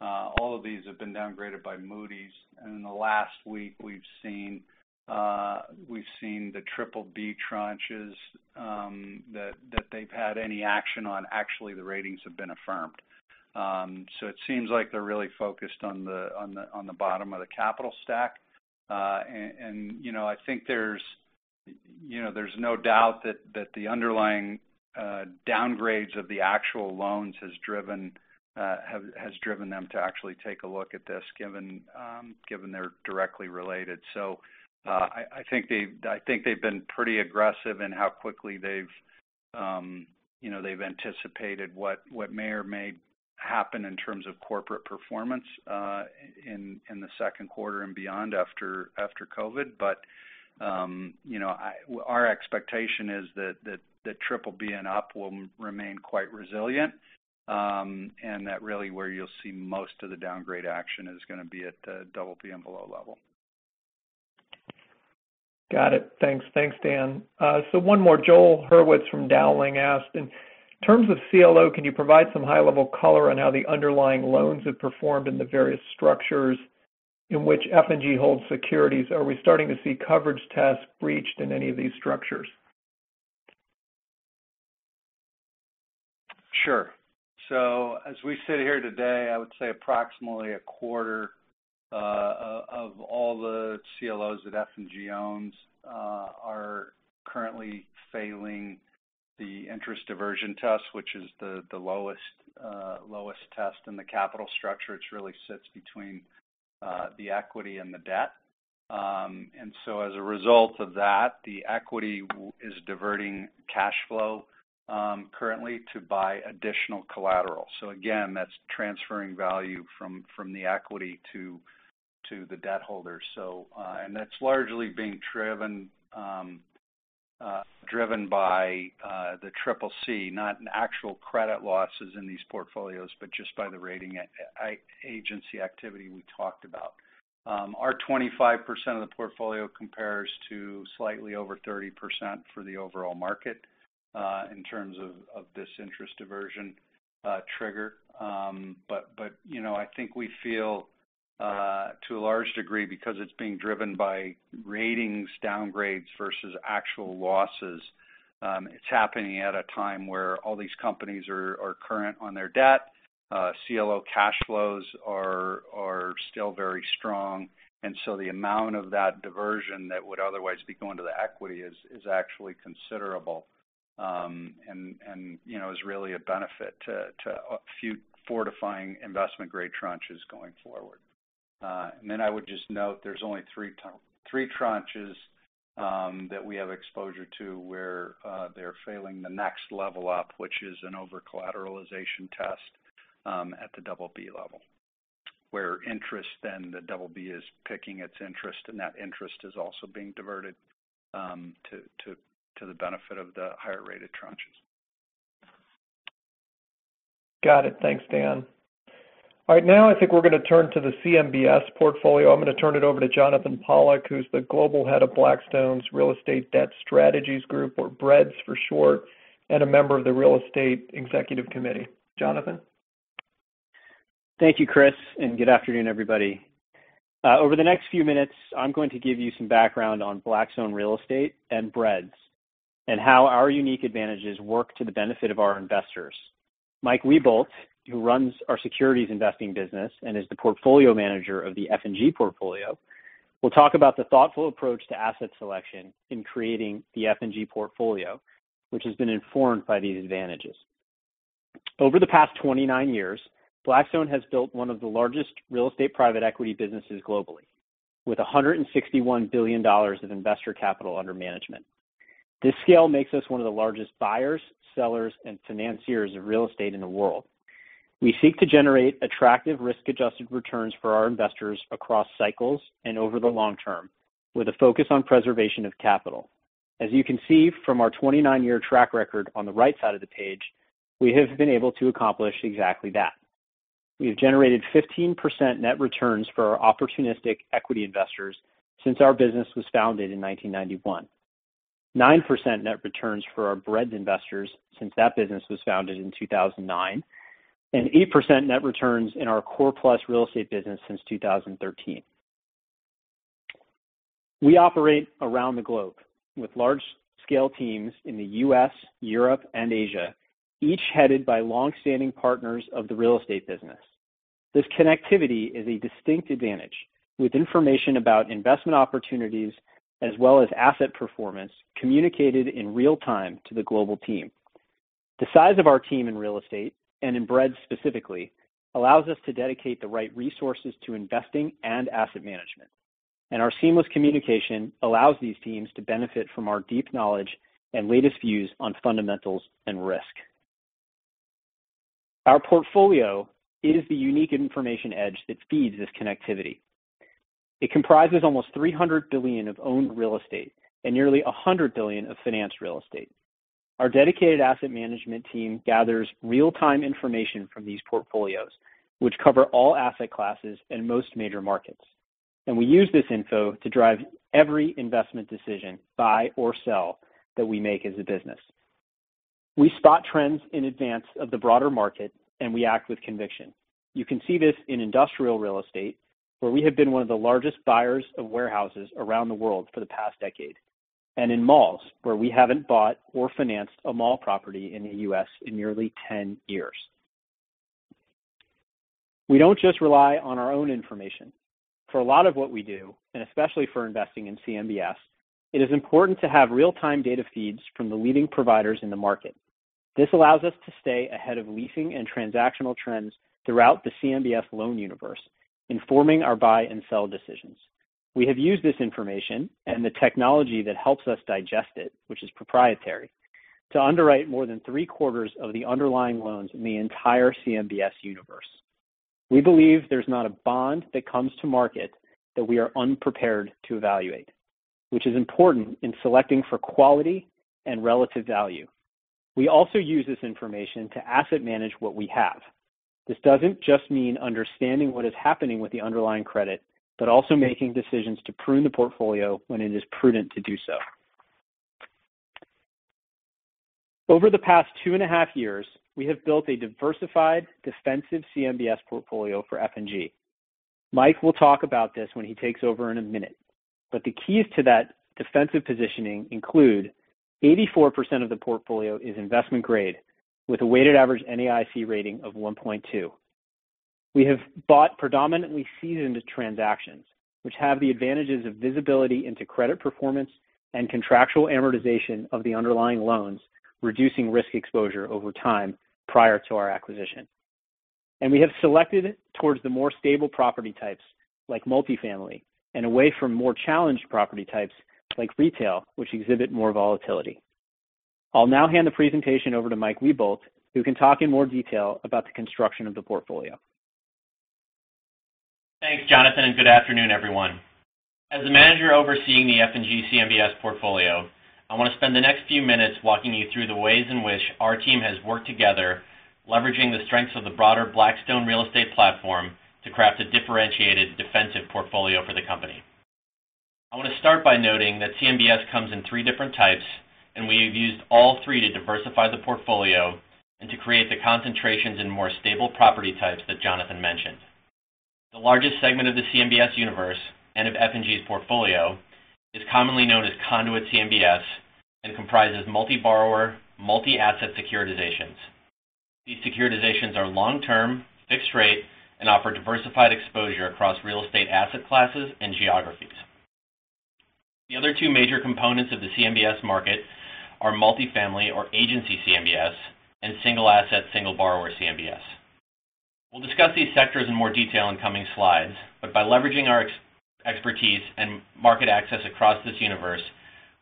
All of these have been downgraded by Moody's. And in the last week, we've seen the triple B tranches that they've had any action on, actually, the ratings have been affirmed. So it seems like they're really focused on the bottom of the capital stack. And I think there's no doubt that the underlying downgrades of the actual loans have driven them to actually take a look at this given they're directly related. So I think they've been pretty aggressive in how quickly they've anticipated what may or may happen in terms of corporate performance in the second quarter and beyond after COVID. But our expectation is that triple B and up will remain quite resilient, and that really where you'll see most of the downgrade action is going to be at the double B and below level. Got it. Thanks. Thanks, Dan. So one more. Joel Hurwitz from Dowling asked, "In terms of CLO, can you provide some high-level color on how the underlying loans have performed in the various structures in which F&G holds securities? Are we starting to see coverage tests breached in any of these structures? Sure. So as we sit here today, I would say approximately a quarter of all the CLOs that F&G owns are currently failing the interest diversion test, which is the lowest test in the capital structure. It really sits between the equity and the debt. And so as a result of that, the equity is diverting cash flow currently to buy additional collateral. So again, that's transferring value from the equity to the debt holders. And that's largely being driven by the triple C, not in actual credit losses in these portfolios, but just by the rating agency activity we talked about. Our 25% of the portfolio compares to slightly over 30% for the overall market in terms of this interest diversion trigger. But I think we feel, to a large degree, because it's being driven by ratings downgrades versus actual losses, it's happening at a time where all these companies are current on their debt. CLO cash flows are still very strong. And so the amount of that diversion that would otherwise be going to the equity is actually considerable and is really a benefit to fortifying investment-grade tranches going forward. And then I would just note there's only three tranches that we have exposure to where they're failing the next level up, which is an over-collateralization test at the double B level, where interest then the double B is paying its interest, and that interest is also being diverted to the benefit of the higher-rated tranches. Got it. Thanks, Dan. All right. Now, I think we're going to turn to the CMBS portfolio. I'm going to turn it over to Jonathan Pollock, who's the global head of Blackstone's Real Estate Debt Strategies Group, or BREDS for short, and a member of the Real Estate Executive Committee. Jonathan? Thank you, Chris. And good afternoon, everybody. Over the next few minutes, I'm going to give you some background on Blackstone Real Estate and BREDS and how our unique advantages work to the benefit of our investors. Mike Wiebolt, who runs our securities investing business and is the portfolio manager of the F&G portfolio, will talk about the thoughtful approach to asset selection in creating the F&G portfolio, which has been informed by these advantages. Over the past 29 years, Blackstone has built one of the largest real estate private equity businesses globally with $161 billion of investor capital under management. This scale makes us one of the largest buyers, sellers, and financiers of real estate in the world. We seek to generate attractive risk-adjusted returns for our investors across cycles and over the long term with a focus on preservation of capital. As you can see from our 29-year track record on the right side of the page, we have been able to accomplish exactly that. We have generated 15% net returns for our opportunistic equity investors since our business was founded in 1991, 9% net returns for our BREDS investors since that business was founded in 2009, and 8% net returns in our core plus real estate business since 2013. We operate around the globe with large-scale teams in the U.S., Europe, and Asia, each headed by long-standing partners of the real estate business. This connectivity is a distinct advantage with information about investment opportunities as well as asset performance communicated in real time to the global team. The size of our team in real estate and in BREDS specifically allows us to dedicate the right resources to investing and asset management. Our seamless communication allows these teams to benefit from our deep knowledge and latest views on fundamentals and risk. Our portfolio is the unique information edge that feeds this connectivity. It comprises almost $300 billion of owned real estate and nearly $100 billion of financed real estate. Our dedicated asset management team gathers real-time information from these portfolios, which cover all asset classes and most major markets. And we use this info to drive every investment decision, buy or sell, that we make as a business. We spot trends in advance of the broader market, and we act with conviction. You can see this in industrial real estate, where we have been one of the largest buyers of warehouses around the world for the past decade, and in malls, where we haven't bought or financed a mall property in the U.S. in nearly 10 years. We don't just rely on our own information. For a lot of what we do, and especially for investing in CMBS, it is important to have real-time data feeds from the leading providers in the market. This allows us to stay ahead of leasing and transactional trends throughout the CMBS loan universe, informing our buy and sell decisions. We have used this information and the technology that helps us digest it, which is proprietary, to underwrite more than three-quarters of the underlying loans in the entire CMBS universe. We believe there's not a bond that comes to market that we are unprepared to evaluate, which is important in selecting for quality and relative value. We also use this information to asset manage what we have. This doesn't just mean understanding what is happening with the underlying credit, but also making decisions to prune the portfolio when it is prudent to do so. Over the past two and a half years, we have built a diversified defensive CMBS portfolio for F&G. Mike will talk about this when he takes over in a minute. but the keys to that defensive positioning include 84% of the portfolio is investment-grade with a weighted average NAIC rating of 1.2. We have bought predominantly seasoned transactions, which have the advantages of visibility into credit performance and contractual amortization of the underlying loans, reducing risk exposure over time prior to our acquisition. and we have selected towards the more stable property types like multifamily and away from more challenged property types like retail, which exhibit more volatility. I'll now hand the presentation over to Mike Wiebolt, who can talk in more detail about the construction of the portfolio. Thanks, Jonathan, and good afternoon, everyone. As the manager overseeing the F&G CMBS portfolio, I want to spend the next few minutes walking you through the ways in which our team has worked together, leveraging the strengths of the broader Blackstone real estate platform to craft a differentiated defensive portfolio for the company. I want to start by noting that CMBS comes in three different types, and we have used all three to diversify the portfolio and to create the concentrations in more stable property types that Jonathan mentioned. The largest segment of the CMBS universe and of F&G's portfolio is commonly known as conduit CMBS and comprises multi-borrower, multi-asset securitizations. These securitizations are long-term, fixed rate, and offer diversified exposure across real estate asset classes and geographies. The other two major components of the CMBS market are multifamily or agency CMBS and single-asset, single-borrower CMBS. We'll discuss these sectors in more detail in coming slides. But by leveraging our expertise and market access across this universe,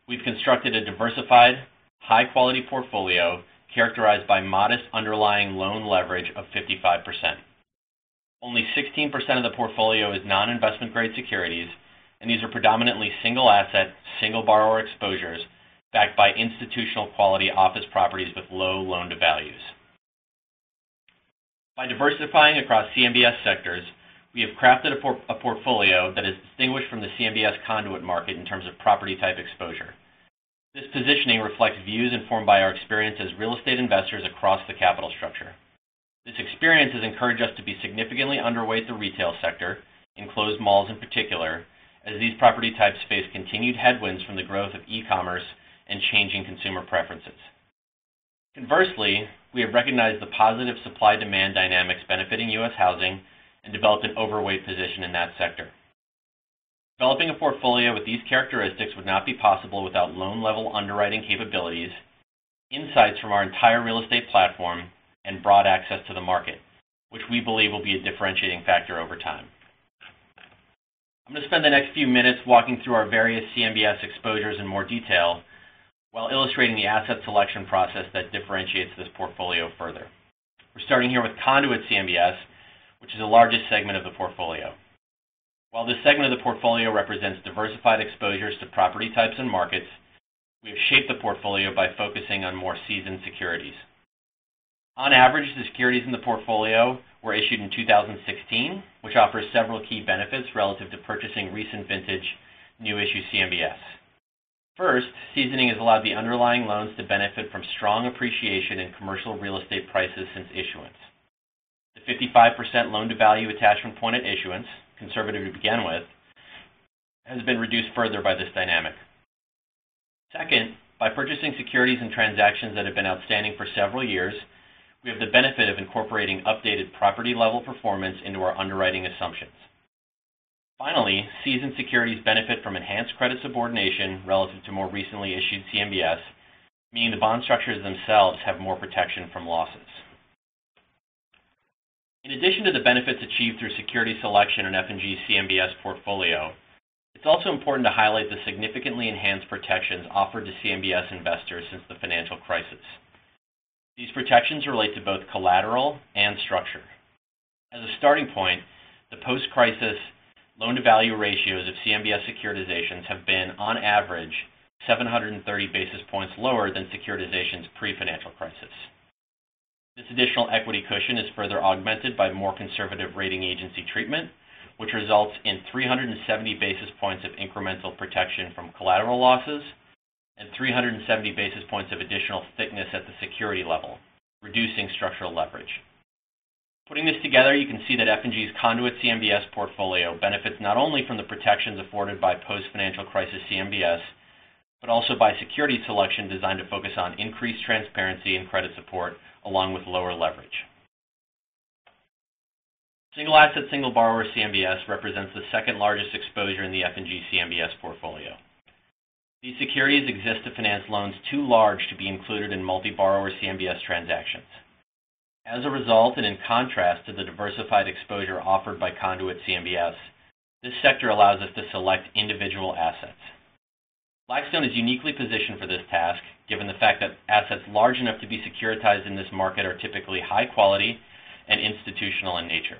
we've constructed a diversified, high-quality portfolio characterized by modest underlying loan leverage of 55%. Only 16% of the portfolio is non-investment-grade securities, and these are predominantly single-asset, single-borrower exposures backed by institutional quality office properties with low loan-to-values. By diversifying across CMBS sectors, we have crafted a portfolio that is distinguished from the CMBS conduit market in terms of property-type exposure. This positioning reflects views informed by our experience as real estate investors across the capital structure. This experience has encouraged us to be significantly underweight the retail sector, enclosed malls in particular, as these property types face continued headwinds from the growth of e-commerce and changing consumer preferences. Conversely, we have recognized the positive supply-demand dynamics benefiting U.S. housing and developed an overweight position in that sector. Developing a portfolio with these characteristics would not be possible without loan-level underwriting capabilities, insights from our entire real estate platform, and broad access to the market, which we believe will be a differentiating factor over time. I'm going to spend the next few minutes walking through our various CMBS exposures in more detail while illustrating the asset selection process that differentiates this portfolio further. We're starting here with Conduit CMBS, which is the largest segment of the portfolio. While this segment of the portfolio represents diversified exposures to property types and markets, we have shaped the portfolio by focusing on more seasoned securities. On average, the securities in the portfolio were issued in 2016, which offers several key benefits relative to purchasing recent vintage, new-issue CMBS. First, seasoning has allowed the underlying loans to benefit from strong appreciation in commercial real estate prices since issuance. The 55% loan-to-value attachment point at issuance, conservatively began with, has been reduced further by this dynamic. Second, by purchasing securities and transactions that have been outstanding for several years, we have the benefit of incorporating updated property-level performance into our underwriting assumptions. Finally, seasoned securities benefit from enhanced credit subordination relative to more recently issued CMBS, meaning the bond structures themselves have more protection from losses. In addition to the benefits achieved through security selection in F&G CMBS portfolio, it's also important to highlight the significantly enhanced protections offered to CMBS investors since the financial crisis. These protections relate to both collateral and structure. As a starting point, the post-crisis loan-to-value ratios of CMBS securitizations have been, on average, 730 basis points lower than securitizations pre-financial crisis. This additional equity cushion is further augmented by more conservative rating agency treatment, which results in 370 basis points of incremental protection from collateral losses and 370 basis points of additional thickness at the security level, reducing structural leverage. Putting this together, you can see that F&G's conduit CMBS portfolio benefits not only from the protections afforded by post-financial crisis CMBS, but also by security selection designed to focus on increased transparency and credit support along with lower leverage. Single-asset, single-borrower CMBS represents the second-largest exposure in the F&G CMBS portfolio. These securities exist to finance loans too large to be included in multi-borrower CMBS transactions. As a result, and in contrast to the diversified exposure offered by conduit CMBS, this sector allows us to select individual assets. Blackstone is uniquely positioned for this task, given the fact that assets large enough to be securitized in this market are typically high quality and institutional in nature.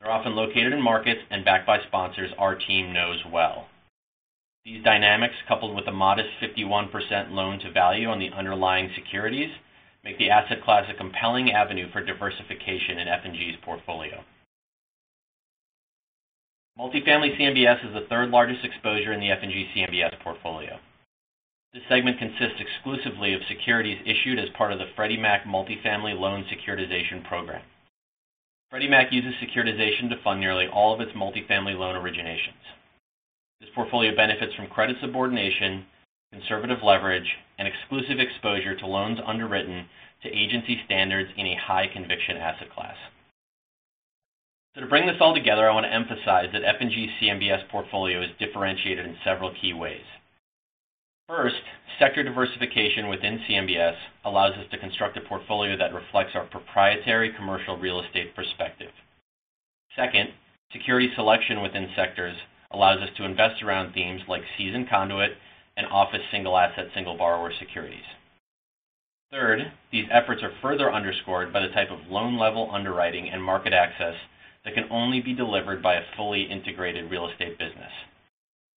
They're often located in markets and backed by sponsors our team knows well. These dynamics, coupled with a modest 51% loan-to-value on the underlying securities, make the asset class a compelling avenue for diversification in F&G's portfolio. Multifamily CMBS is the third-largest exposure in the F&G CMBS portfolio. This segment consists exclusively of securities issued as part of the Freddie Mac Multifamily Loan Securitization Program. Freddie Mac uses securitization to fund nearly all of its multifamily loan originations. This portfolio benefits from credit subordination, conservative leverage, and exclusive exposure to loans underwritten to agency standards in a high-conviction asset class. To bring this all together, I want to emphasize that F&G CMBS portfolio is differentiated in several key ways. First, sector diversification within CMBS allows us to construct a portfolio that reflects our proprietary commercial real estate perspective. Second, security selection within sectors allows us to invest around themes like seasoned conduit and office single-asset, single-borrower securities. Third, these efforts are further underscored by the type of loan-level underwriting and market access that can only be delivered by a fully integrated real estate business.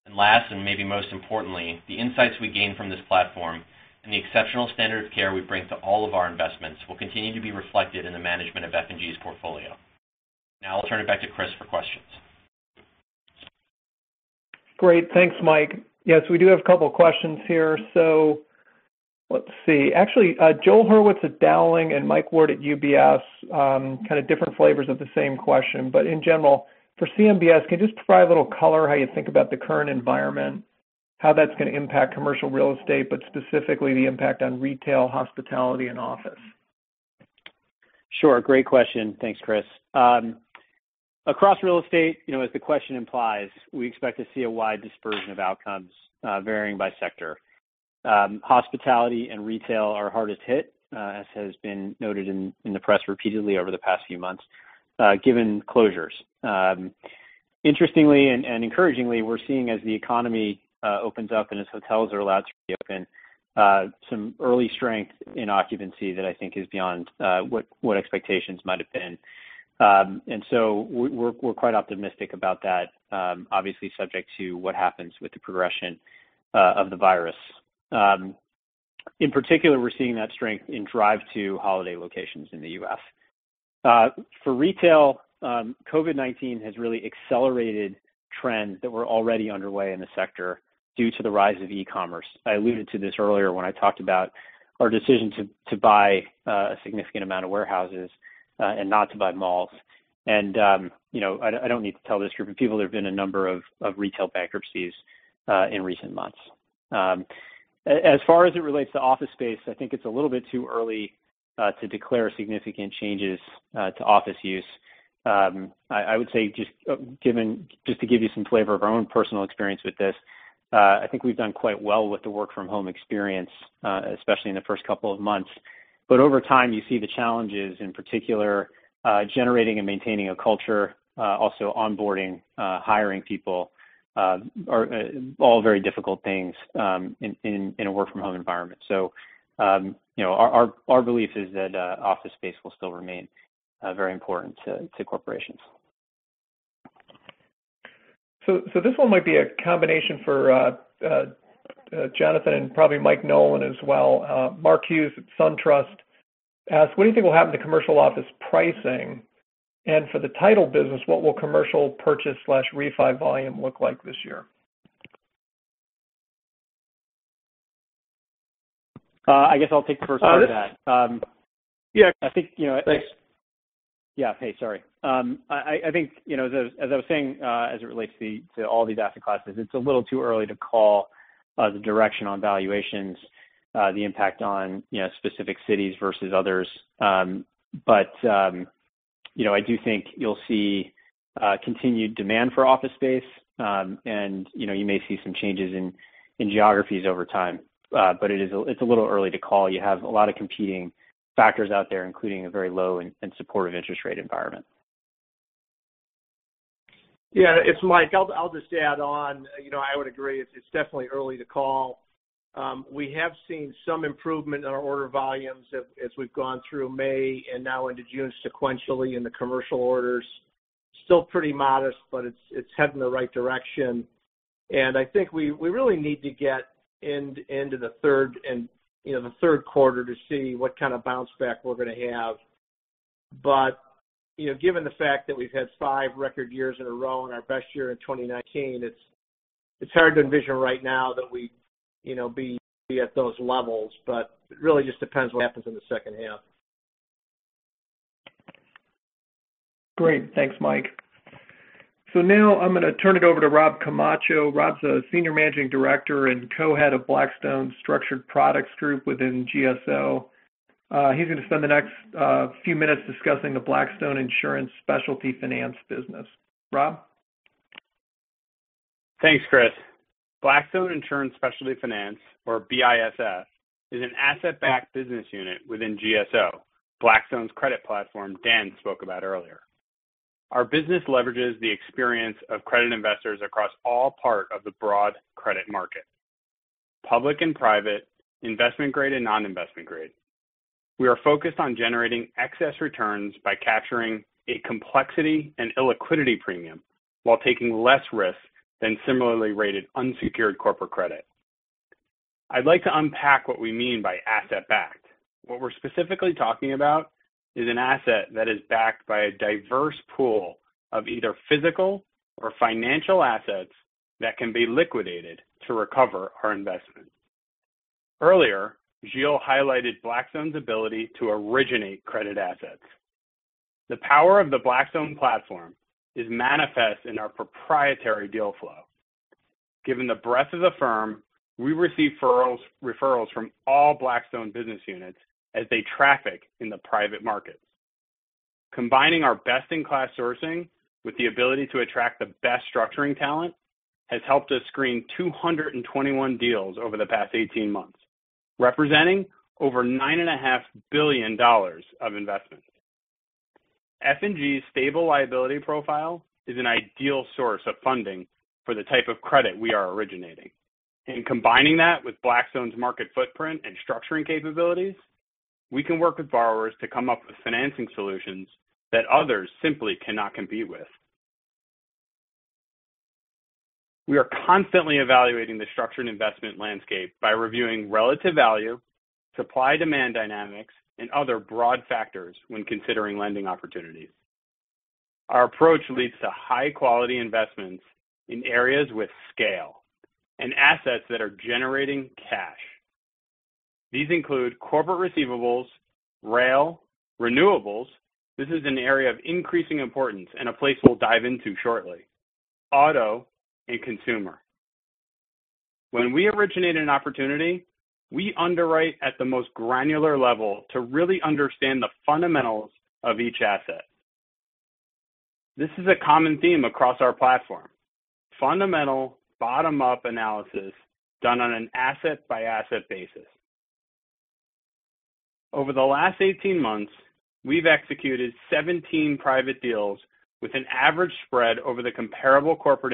And last, and maybe most importantly, the insights we gain from this platform and the exceptional standard of care we bring to all of our investments will continue to be reflected in the management of F&G's portfolio. Now I'll turn it back to Chris for questions. Great. Thanks, Mike. Yes, we do have a couple of questions here. So let's see. Actually, Joel Hurwitz at Dowling and Mike Ward at UBS, kind of different flavors of the same question. But in general, for CMBS, can you just provide a little color how you think about the current environment, how that's going to impact commercial real estate, but specifically the impact on retail, hospitality, and office? Sure. Great question. Thanks, Chris. Across real estate, as the question implies, we expect to see a wide dispersion of outcomes varying by sector. Hospitality and retail are hardest hit, as has been noted in the press repeatedly over the past few months, given closures. Interestingly and encouragingly, we're seeing, as the economy opens up and as hotels are allowed to reopen, some early strength in occupancy that I think is beyond what expectations might have been. And so we're quite optimistic about that, obviously subject to what happens with the progression of the virus. In particular, we're seeing that strength in drive-to holiday locations in the U.S. For retail, COVID-19 has really accelerated trends that were already underway in the sector due to the rise of e-commerce. I alluded to this earlier when I talked about our decision to buy a significant amount of warehouses and not to buy malls, and I don't need to tell this group of people, there have been a number of retail bankruptcies in recent months. As far as it relates to office space, I think it's a little bit too early to declare significant changes to office use. I would say, just to give you some flavor of our own personal experience with this, I think we've done quite well with the work-from-home experience, especially in the first couple of months, but over time, you see the challenges, in particular, generating and maintaining a culture, also onboarding, hiring people, are all very difficult things in a work-from-home environment, so our belief is that office space will still remain very important to corporations. This one might be a combination for Jonathan and probably Mike Nolan as well. Mark Hughes at SunTrust asked, "What do you think will happen to commercial office pricing? And for the title business, what will commercial purchase/refi volume look like this year? I guess I'll take the first part of that. Yeah. I think. Thanks. Yeah. Hey, sorry. I think, as I was saying, as it relates to all these asset classes, it's a little too early to call the direction on valuations, the impact on specific cities versus others. But I do think you'll see continued demand for office space, and you may see some changes in geographies over time. But it's a little early to call. You have a lot of competing factors out there, including a very low and supportive interest rate environment. Yeah. It's Mike. I'll just add on. I would agree. It's definitely early to call. We have seen some improvement in our order volumes as we've gone through May and now into June sequentially in the commercial orders. Still pretty modest, but it's heading the right direction. And I think we really need to get into the third quarter to see what kind of bounce back we're going to have. But given the fact that we've had five record years in a row and our best year in 2019, it's hard to envision right now that we'd be at those levels. But it really just depends what happens in the second half. Great. Thanks, Mike. So now I'm going to turn it over to Rob Camacho. Rob's a senior managing director and co-head of Blackstone's structured products group within GSO. He's going to spend the next few minutes discussing the Blackstone Insurance Specialty Finance business. Rob? Thanks, Chris. Blackstone Insurance Specialty Finance, or BISF, is an asset-backed business unit within GSO, Blackstone's credit platform Dan spoke about earlier. Our business leverages the experience of credit investors across all parts of the broad credit market: public and private, investment-grade, and non-investment-grade. We are focused on generating excess returns by capturing a complexity and illiquidity premium while taking less risk than similarly rated unsecured corporate credit. I'd like to unpack what we mean by asset-backed. What we're specifically talking about is an asset that is backed by a diverse pool of either physical or financial assets that can be liquidated to recover our investment. Earlier, Gio highlighted Blackstone's ability to originate credit assets. The power of the Blackstone platform is manifest in our proprietary deal flow. Given the breadth of the firm, we receive referrals from all Blackstone business units as they traffic in the private markets. Combining our best-in-class sourcing with the ability to attract the best structuring talent has helped us screen 221 deals over the past 18 months, representing over $9.5 billion of investment. F&G's stable liability profile is an ideal source of funding for the type of credit we are originating. And combining that with Blackstone's market footprint and structuring capabilities, we can work with borrowers to come up with financing solutions that others simply cannot compete with. We are constantly evaluating the structured investment landscape by reviewing relative value, supply-demand dynamics, and other broad factors when considering lending opportunities. Our approach leads to high-quality investments in areas with scale and assets that are generating cash. These include corporate receivables, rail, renewables. This is an area of increasing importance and a place we'll dive into shortly: auto and consumer. When we originate an opportunity, we underwrite at the most granular level to really understand the fundamentals of each asset. This is a common theme across our platform: fundamental bottom-up analysis done on an asset-by-asset basis. Over the last 18 months, we've executed 17 private deals with an average spread over the comparable corporate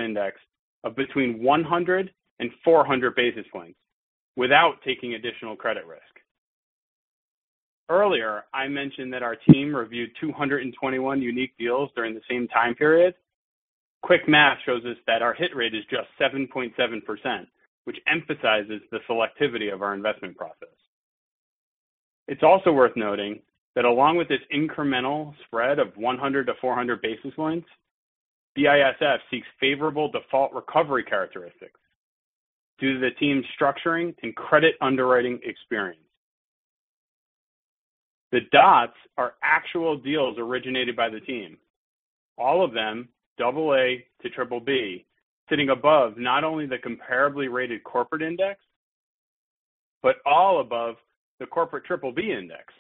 index of between 100 and 400 basis points without taking additional credit risk. Earlier, I mentioned that our team reviewed 221 unique deals during the same time period. Quick math shows us that our hit rate is just 7.7%, which emphasizes the selectivity of our investment process. It's also worth noting that along with its incremental spread of 100 to 400 basis points, BISF seeks favorable default recovery characteristics due to the team's structuring and credit underwriting experience. The dots are actual deals originated by the team, all of them AA to BBB, sitting above not only the comparably rated corporate index, but all above the corporate BBB index.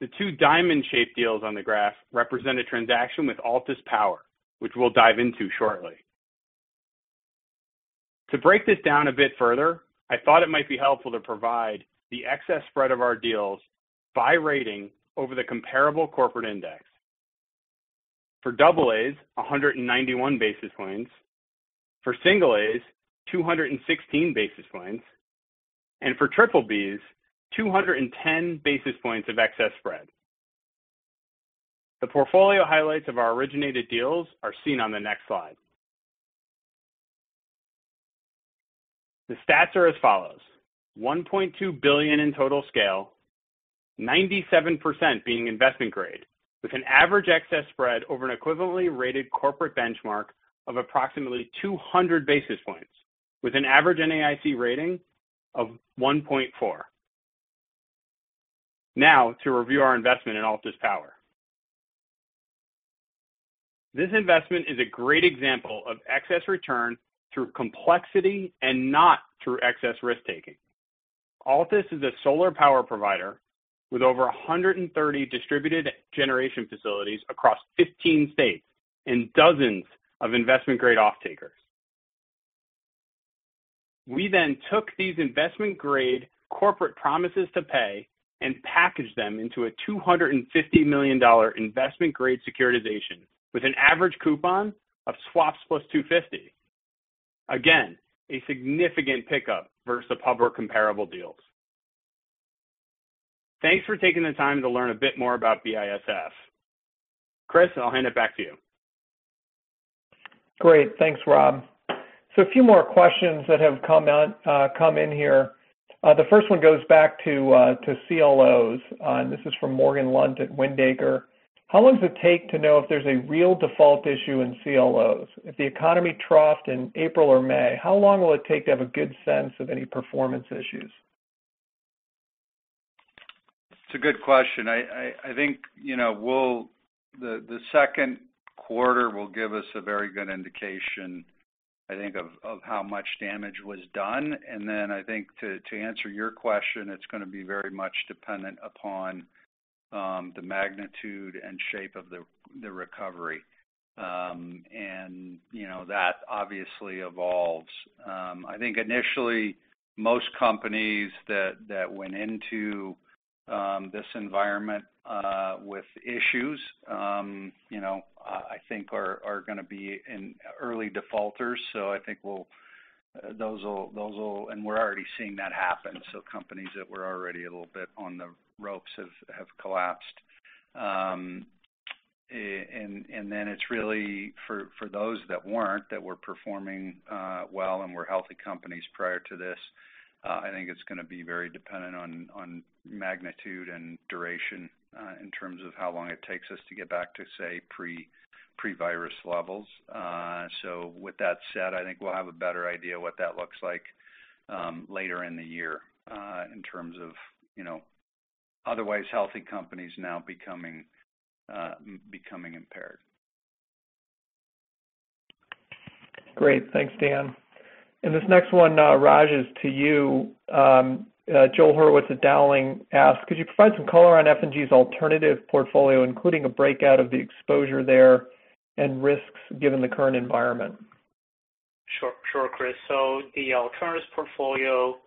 The two diamond-shaped deals on the graph represent a transaction with Altus Power, which we'll dive into shortly. To break this down a bit further, I thought it might be helpful to provide the excess spread of our deals by rating over the comparable corporate index. For AAs, 191 basis points; for singles, 216 basis points; and for BBBs, 210 basis points of excess spread. The portfolio highlights of our originated deals are seen on the next slide. The stats are as follows: $1.2 billion in total scale, 97% being investment grade, with an average excess spread over an equivalently rated corporate benchmark of approximately 200 basis points, with an average NAIC rating of 1.4. Now, to review our investment in Altus Power. This investment is a great example of excess return through complexity and not through excess risk-taking. Altus is a solar power provider with over 130 distributed generation facilities across 15 states and dozens of investment-grade off-takers. We then took these investment-grade corporate promises to pay and packaged them into a $250 million investment-grade securitization with an average coupon of swaps plus 250. Again, a significant pickup versus the public comparable deals. Thanks for taking the time to learn a bit more about BISF. Chris, I'll hand it back to you. Great. Thanks, Rob. So a few more questions that have come in here. The first one goes back to CLOs, and this is from Morgan Lunt at Windacre. "How long does it take to know if there's a real default issue in CLOs? If the economy troughed in April or May, how long will it take to have a good sense of any performance issues? It's a good question. I think the second quarter will give us a very good indication, I think, of how much damage was done, and then I think, to answer your question, it's going to be very much dependent upon the magnitude and shape of the recovery, and that obviously evolves. I think initially, most companies that went into this environment with issues, I think, are going to be early defaulters, so I think those will, and we're already seeing that happen, so companies that were already a little bit on the ropes have collapsed, and then it's really for those that weren't, that were performing well and were healthy companies prior to this, I think it's going to be very dependent on magnitude and duration in terms of how long it takes us to get back to, say, pre-virus levels. So with that said, I think we'll have a better idea of what that looks like later in the year in terms of otherwise healthy companies now becoming impaired. Great. Thanks, Dan. And this next one, Raj, is to you. Joel Hurwitz at Dowling asked, "Could you provide some color on F&G's alternative portfolio, including a breakout of the exposure there and risks given the current environment? Sure, Chris. So the alternative portfolio,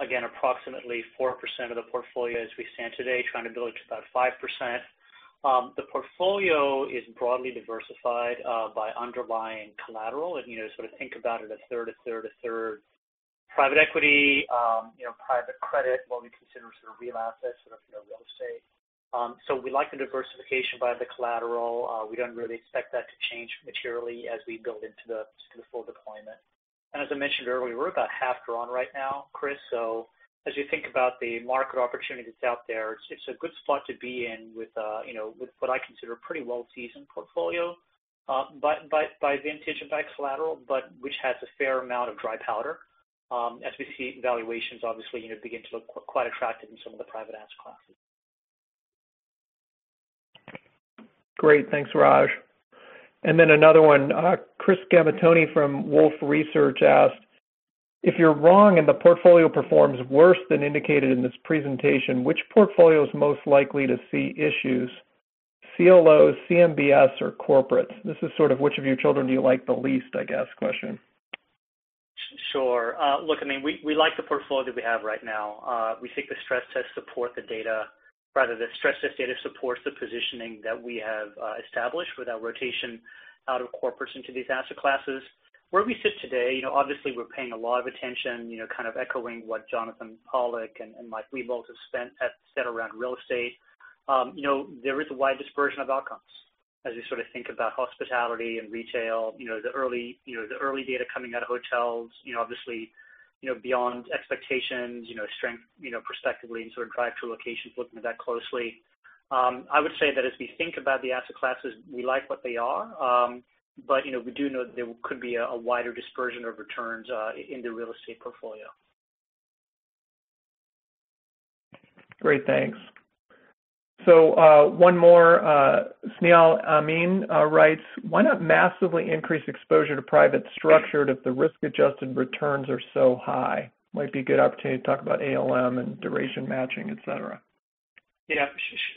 again, approximately 4% of the portfolio as we stand today, trying to build it to about 5%. The portfolio is broadly diversified by underlying collateral. And sort of think about it as third to third to third: private equity, private credit, what we consider sort of real assets, sort of real estate. So we like the diversification by the collateral. We don't really expect that to change materially as we build into the full deployment. And as I mentioned earlier, we're about half drawn right now, Chris. So as you think about the market opportunity that's out there, it's a good spot to be in with what I consider a pretty well-seasoned portfolio by vintage and by collateral, but which has a fair amount of dry powder as we see valuations obviously begin to look quite attractive in some of the private asset classes. Great. Thanks, Raj. And then another one, Chris Gavotoni from Wolfe Research asked, "If you're wrong and the portfolio performs worse than indicated in this presentation, which portfolio is most likely to see issues: CLOs, CMBS, or corporates?" This is sort of which of your children do you like the least, I guess, question. Sure. Look, I mean, we like the portfolio that we have right now. We think the stress test supports the data, rather, the stress test data supports the positioning that we have established with our rotation out of corporates into these asset classes. Where we sit today, obviously, we're paying a lot of attention, kind of echoing what Jonathan Pollack and Mike Wiebolt have said around real estate. There is a wide dispersion of outcomes as we sort of think about hospitality and retail, the early data coming out of hotels, obviously, beyond expectations, strength prospectively, and sort of drive-through locations looking at that closely. I would say that as we think about the asset classes, we like what they are, but we do know that there could be a wider dispersion of returns in the real estate portfolio. Great. Thanks. So one more, Snehal Amin writes, "Why not massively increase exposure to private structured if the risk-adjusted returns are so high? Might be a good opportunity to talk about ALM and duration matching, etc. Yeah.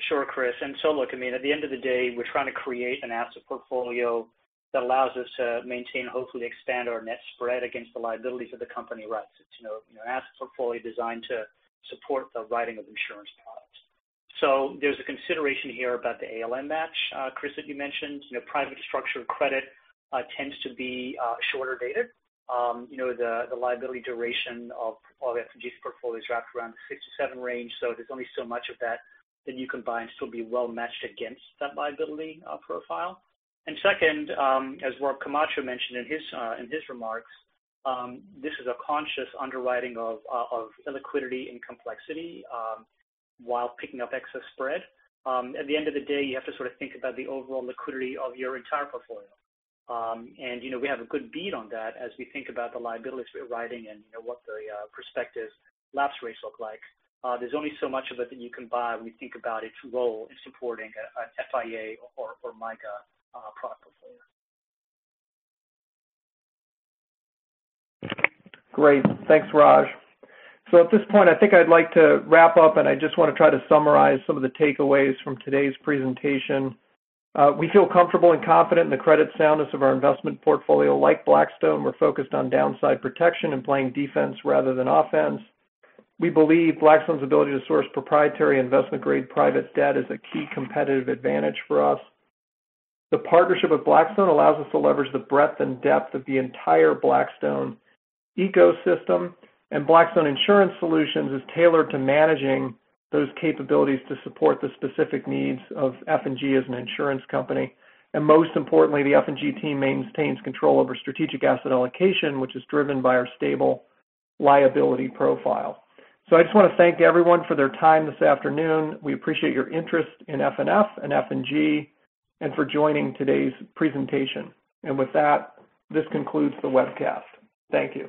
Sure, Chris. And so look, I mean, at the end of the day, we're trying to create an asset portfolio that allows us to maintain, hopefully, expand our net spread against the liabilities of the company, right? It's an asset portfolio designed to support the writing of insurance products. So there's a consideration here about the ALM match, Chris, that you mentioned. Private structured credit tends to be shorter dated. The liability duration of F&G's portfolio is wrapped around the 67 range, so there's only so much of that that you can buy and still be well-matched against that liability profile. And second, as Rob Camacho mentioned in his remarks, this is a conscious underwriting of illiquidity and complexity while picking up excess spread. At the end of the day, you have to sort of think about the overall liquidity of your entire portfolio. We have a good beat on that as we think about the liability spread writing and what the prospective lapse rates look like. There's only so much of it that you can buy when you think about its role in supporting an FIA or MYGA product portfolio. Great. Thanks, Raj. So at this point, I think I'd like to wrap up, and I just want to try to summarize some of the takeaways from today's presentation. "We feel comfortable and confident in the credit soundness of our investment portfolio like Blackstone. We're focused on downside protection and playing defense rather than offense. We believe Blackstone's ability to source proprietary investment-grade private debt is a key competitive advantage for us. The partnership with Blackstone allows us to leverage the breadth and depth of the entire Blackstone ecosystem, and Blackstone Insurance Solutions is tailored to managing those capabilities to support the specific needs of F&G as an insurance company. And most importantly, the F&G team maintains control over strategic asset allocation, which is driven by our stable liability profile." So I just want to thank everyone for their time this afternoon. We appreciate your interest in FNF and F&G and for joining today's presentation. And with that, this concludes the webcast. Thank you.